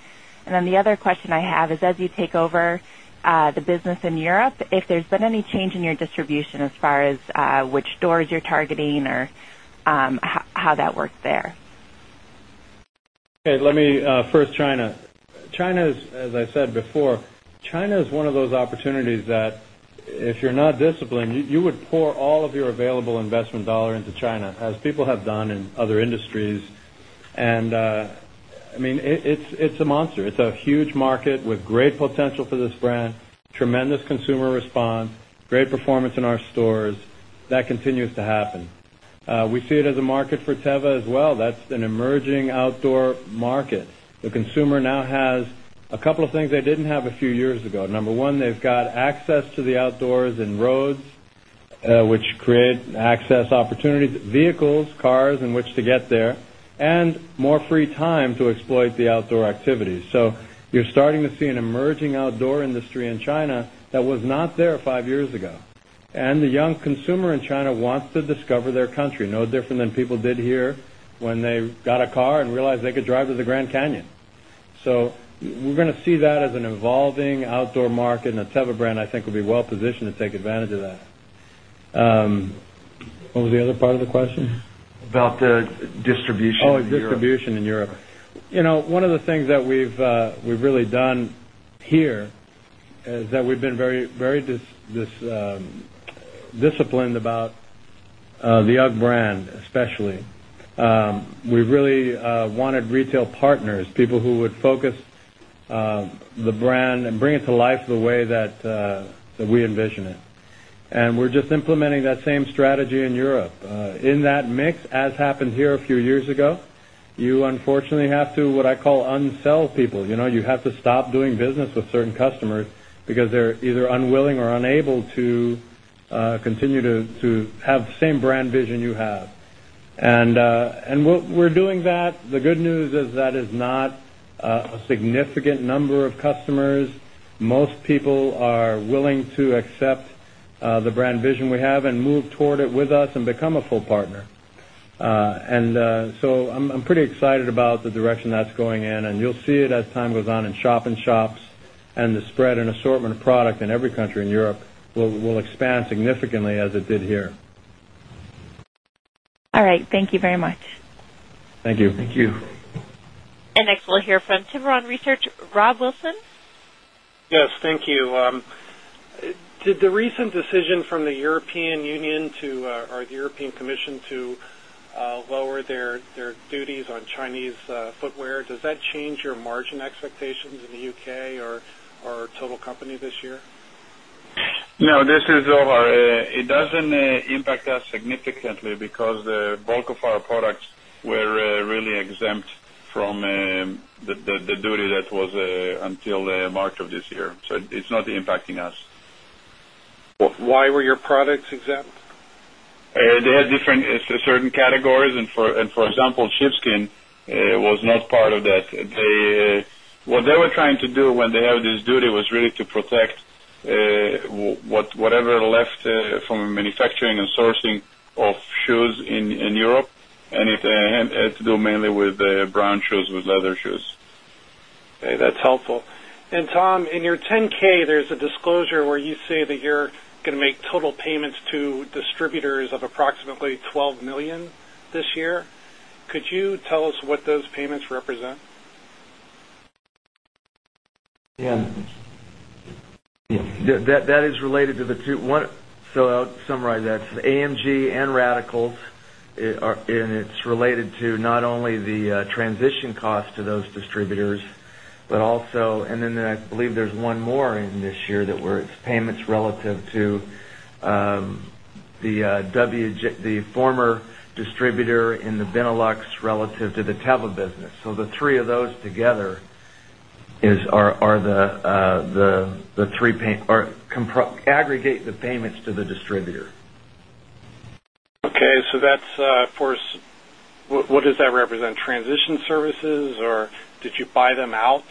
The other question I have is, as you take over the business in Europe, if there's been any change in your distribution as far as which stores you're targeting or how that worked there. Okay. Let me first China. As I said before, China is one of those opportunities that if you're not disciplined, you would pour all of your available investment dollar into China, as people have done in other industries. I mean, it's a monster. It's a huge market with great potential for this brand, tremendous consumer response, great performance in our stores. That continues to happen. We see it as a market for Teva as well. That's an emerging outdoor market. The consumer now has a couple of things they didn't have a few years ago. Number one, they've got access to the outdoors and roads, which create access opportunities, vehicles, cars in which to get there, and more free time to exploit the outdoor activities. You're starting to see an emerging outdoor industry in China that was not there five years ago. The young consumer in China wants to discover their country, no different than people did here when they got a car and realized they could drive to the Grand Canyon. We're going to see that as an evolving outdoor market, and the Teva brand, I think, will be well positioned to take advantage of that. What was the other part of the question? About the distribution in Europe. Oh, distribution in Europe. One of the things that we've really done here is that we've been very disciplined about the UGG brand, especially. We really wanted retail partners, people who would focus the brand and bring it to life the way that we envision it. We're just implementing that same strategy in Europe. In that mix, as happened here a few years ago, you unfortunately have to, what I call, unsell people. You have to stop doing business with certain customers because they're either unwilling or unable to continue to have the same brand vision you have. We're doing that. The good news is that it's not a significant number of customers. Most people are willing to accept the brand vision we have and move toward it with us and become a full partner. I'm pretty excited about the direction that's going in. You'll see it as time goes on in shop and shops, and the spread and assortment of product in every country in Europe will expand significantly as it did here. All right, thank you very much. Thank you. Thank you. Next, we'll hear from Tiburon Research. Rob Wilson. Yes, thank you. Did the recent decision from the European Union or the European Commission to lower their duties on Chinese footwear, does that change your margin expectations in the U.K. or total company this year? No, this is Zohar. It doesn't impact us significantly because the bulk of our products were really exempt from the duty that was until March of this year. It's not impacting us. Why were your products exempt? They had different certain categories. For example, sheepskin was not part of that. What they were trying to do when they had this duty was really to protect whatever left from manufacturing and sourcing of shoes in Europe. It had to do mainly with brown shoes, with leather shoes. Okay. That's helpful. Tom, in your 10-K, there's a disclosure where you say that you're going to make total payments to distributors of approximately $12 million this year. Could you tell us what those payments represent? Yeah. That is related to the two. I'll summarize that. It's AMG and Radicals, and it's related to not only the transition cost to those distributors, but also, I believe there's one more in this year where it's payments relative to the former distributor in the Benelux relative to the Teva business. The three of those together are the three aggregate the payments to the distributor. Okay, that's for, what does that represent? Transition services, or did you buy them out?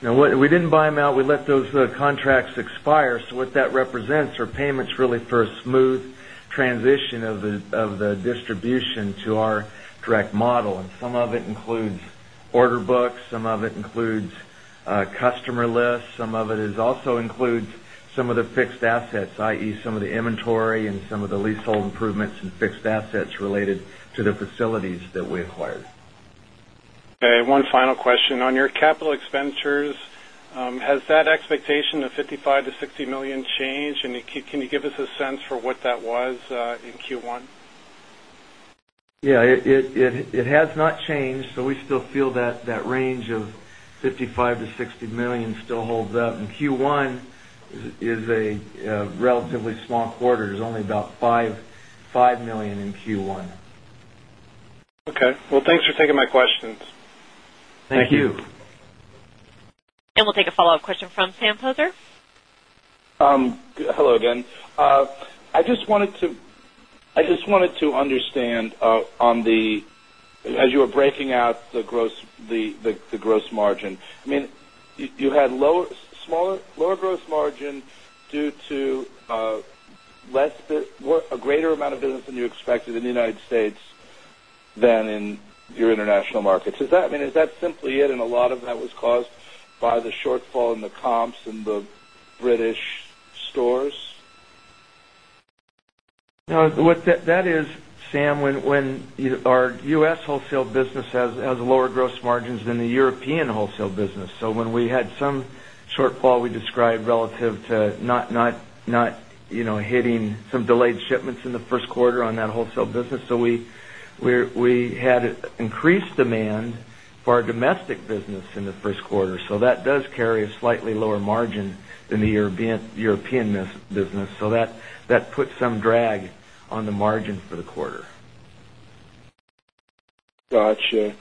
No, we didn't buy them out. We let those contracts expire. What that represents are payments really for a smooth transition of the distribution to our direct wholesale model. Some of it includes order books, customer lists, and some of the fixed assets, i.e., some of the inventory and some of the leasehold improvements and fixed assets related to the facilities that we acquired. Okay. One final question on your capital expenditures. Has that expectation of $55 million-$60 million changed? Can you give us a sense for what that was in Q1? Yeah, it has not changed. We still feel that that range of $55 million-$60 million still holds up. Q1 is a relatively small quarter. There's only about $5 million in Q1. Okay. Thanks for taking my questions. Thank you. We will take a follow-up question from Sam Poser. Hello again. I just wanted to understand on the, as you were breaking out the gross margin. You had a lower gross margin due to a greater amount of business than you expected in the United States than in your international markets. Is that simply it? A lot of that was caused by the shortfall in the comps in the British stores? No, what that is, Sam, when our U.S. wholesale business has lower gross margins than the European wholesale business. When we had some shortfall, we described relative to not, you know, hitting some delayed shipments in the first quarter on that wholesale business. We had increased demand for our domestic business in the first quarter. That does carry a slightly lower margin than the European business. That puts some drag on the margin for the quarter. Got you.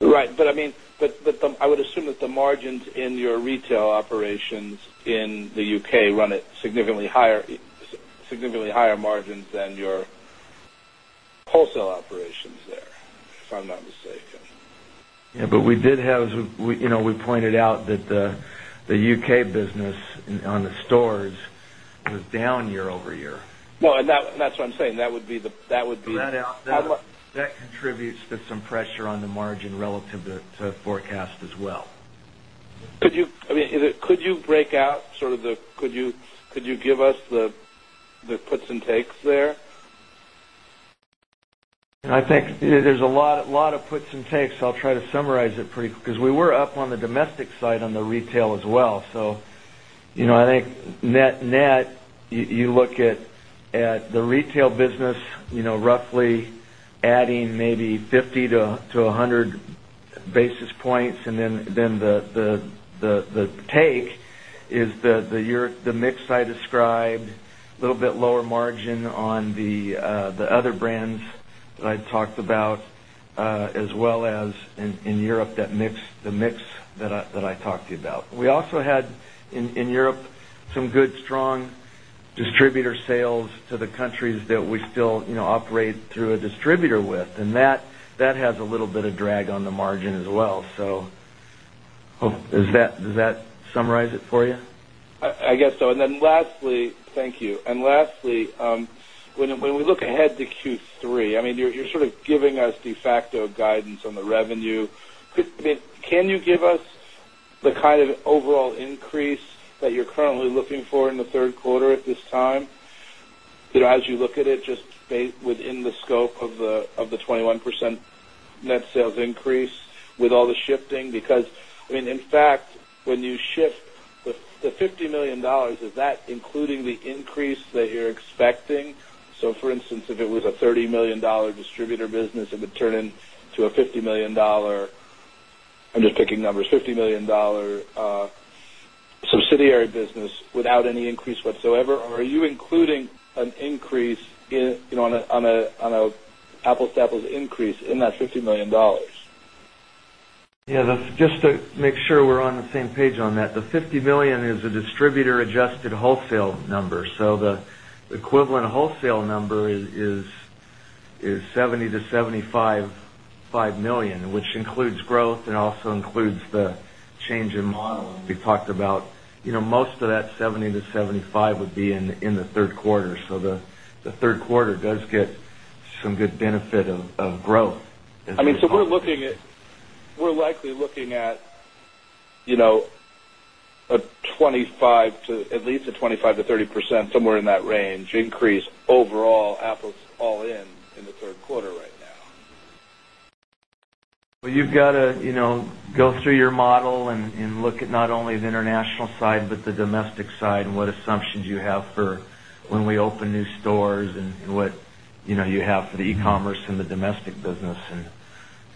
Right. I would assume that the margins in your retail operations in the U.K. run at significantly higher margins than your wholesale operations there, if I'm not mistaken. Yeah, we did have, you know, we pointed out that the U.K. business on the stores was down year-over-year. That's what I'm saying. That would be the. That contributes to some pressure on the margin relative to forecast as well. Could you break out sort of the, could you give us the puts and takes there? I think there's a lot of puts and takes. I'll try to summarize it pretty quick because we were up on the domestic side on the retail as well. I think net net, you look at the retail business, roughly adding maybe 50 basis points-100 basis points. The take is the mix I described, a little bit lower margin on the other brands that I talked about, as well as in Europe, the mix that I talked to you about. We also had in Europe some good, strong distributor sales to the countries that we still operate through a distributor with. That has a little bit of drag on the margin as well. Does that summarize it for you? I guess so. Lastly, thank you. Lastly, when we look ahead to Q3, you're sort of giving us de facto guidance on the revenue. Can you give us the kind of overall increase that you're currently looking for in the third quarter at this time? As you look at it, just within the scope of the 21% net sales increase with all the shifting? In fact, when you shift the $50 million, is that including the increase that you're expecting? For instance, if it was a $30 million distributor business, it would turn into a $50 million subsidiary business without any increase whatsoever. Are you including an increase in, you know, on an apples to apples increase in that $50 million? Yeah, just to make sure we're on the same page on that, the $50 million is a distributor-adjusted wholesale number. The equivalent wholesale number is $70 million-$75 million, which includes growth and also includes the change in model. We talked about most of that $70 million-$75 million would be in the third quarter. The third quarter does get some good benefit of growth. We're likely looking at a 25% to at least a 25%-30%, somewhere in that range, increase overall apples all in in the third quarter right now. You have to go through your model and look at not only the international side, but the domestic side and what assumptions you have for when we open new stores and what you have for the e-commerce and the domestic business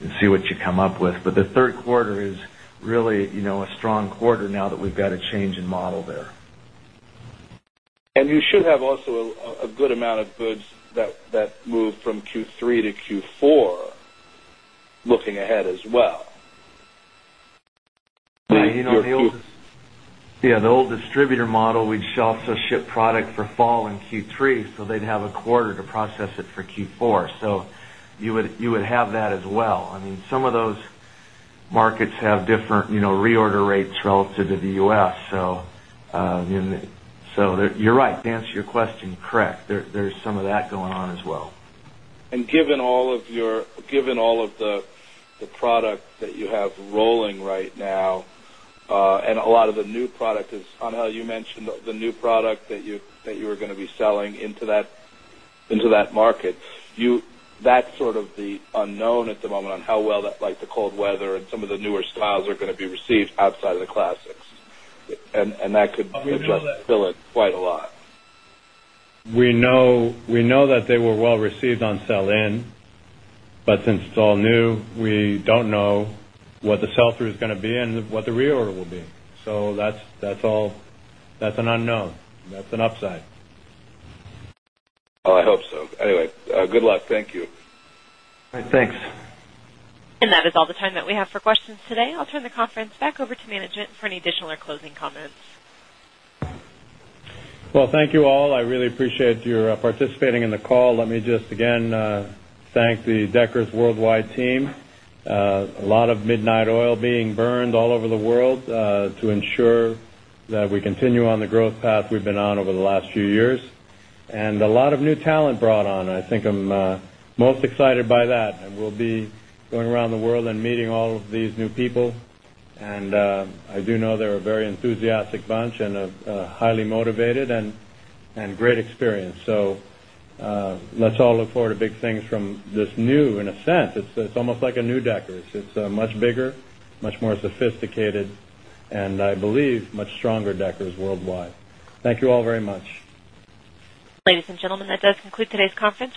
and see what you come up with. The third quarter is really a strong quarter now that we've got a change in model there. You should also have a good amount of goods that move from Q3 to Q4 looking ahead as well. The old distributor model, we'd also ship product for fall in Q3, so they'd have a quarter to process it for Q4. You would have that as well. Some of those markets have different reorder rates relative to the U.S. You're right to answer your question correct. There's some of that going on as well. Given all of the product that you have rolling right now, and a lot of the new product is, Angel, you mentioned the new product that you were going to be selling into that market. That's sort of the unknown at the moment on how well that, like the cold weather and some of the newer styles, are going to be received outside of the classics. That could fill it quite a lot. We know that they were well received on sell-in, but since it's all new, we don't know what the sell-through is going to be and what the reorder will be. That's all, that's an unknown. That's an upside. Oh, I hope so. Anyway, good luck. Thank you. All right, thanks. That is all the time that we have for questions today. I'll turn the conference back over to management for any additional or closing comments. Thank you all. I really appreciate your participating in the call. Let me just again thank the Deckers worldwide team. A lot of midnight oil being burned all over the world to ensure that we continue on the growth path we've been on over the last few years. A lot of new talent brought on. I think I'm most excited by that. We'll be going around the world and meeting all of these new people. I do know they're a very enthusiastic bunch and highly motivated and great experience. Let's all look forward to big things from this new, in a sense. It's almost like a new Deckers. It's a much bigger, much more sophisticated, and I believe much stronger Deckers worldwide. Thank you all very much. Ladies and gentlemen, that does conclude today's conference.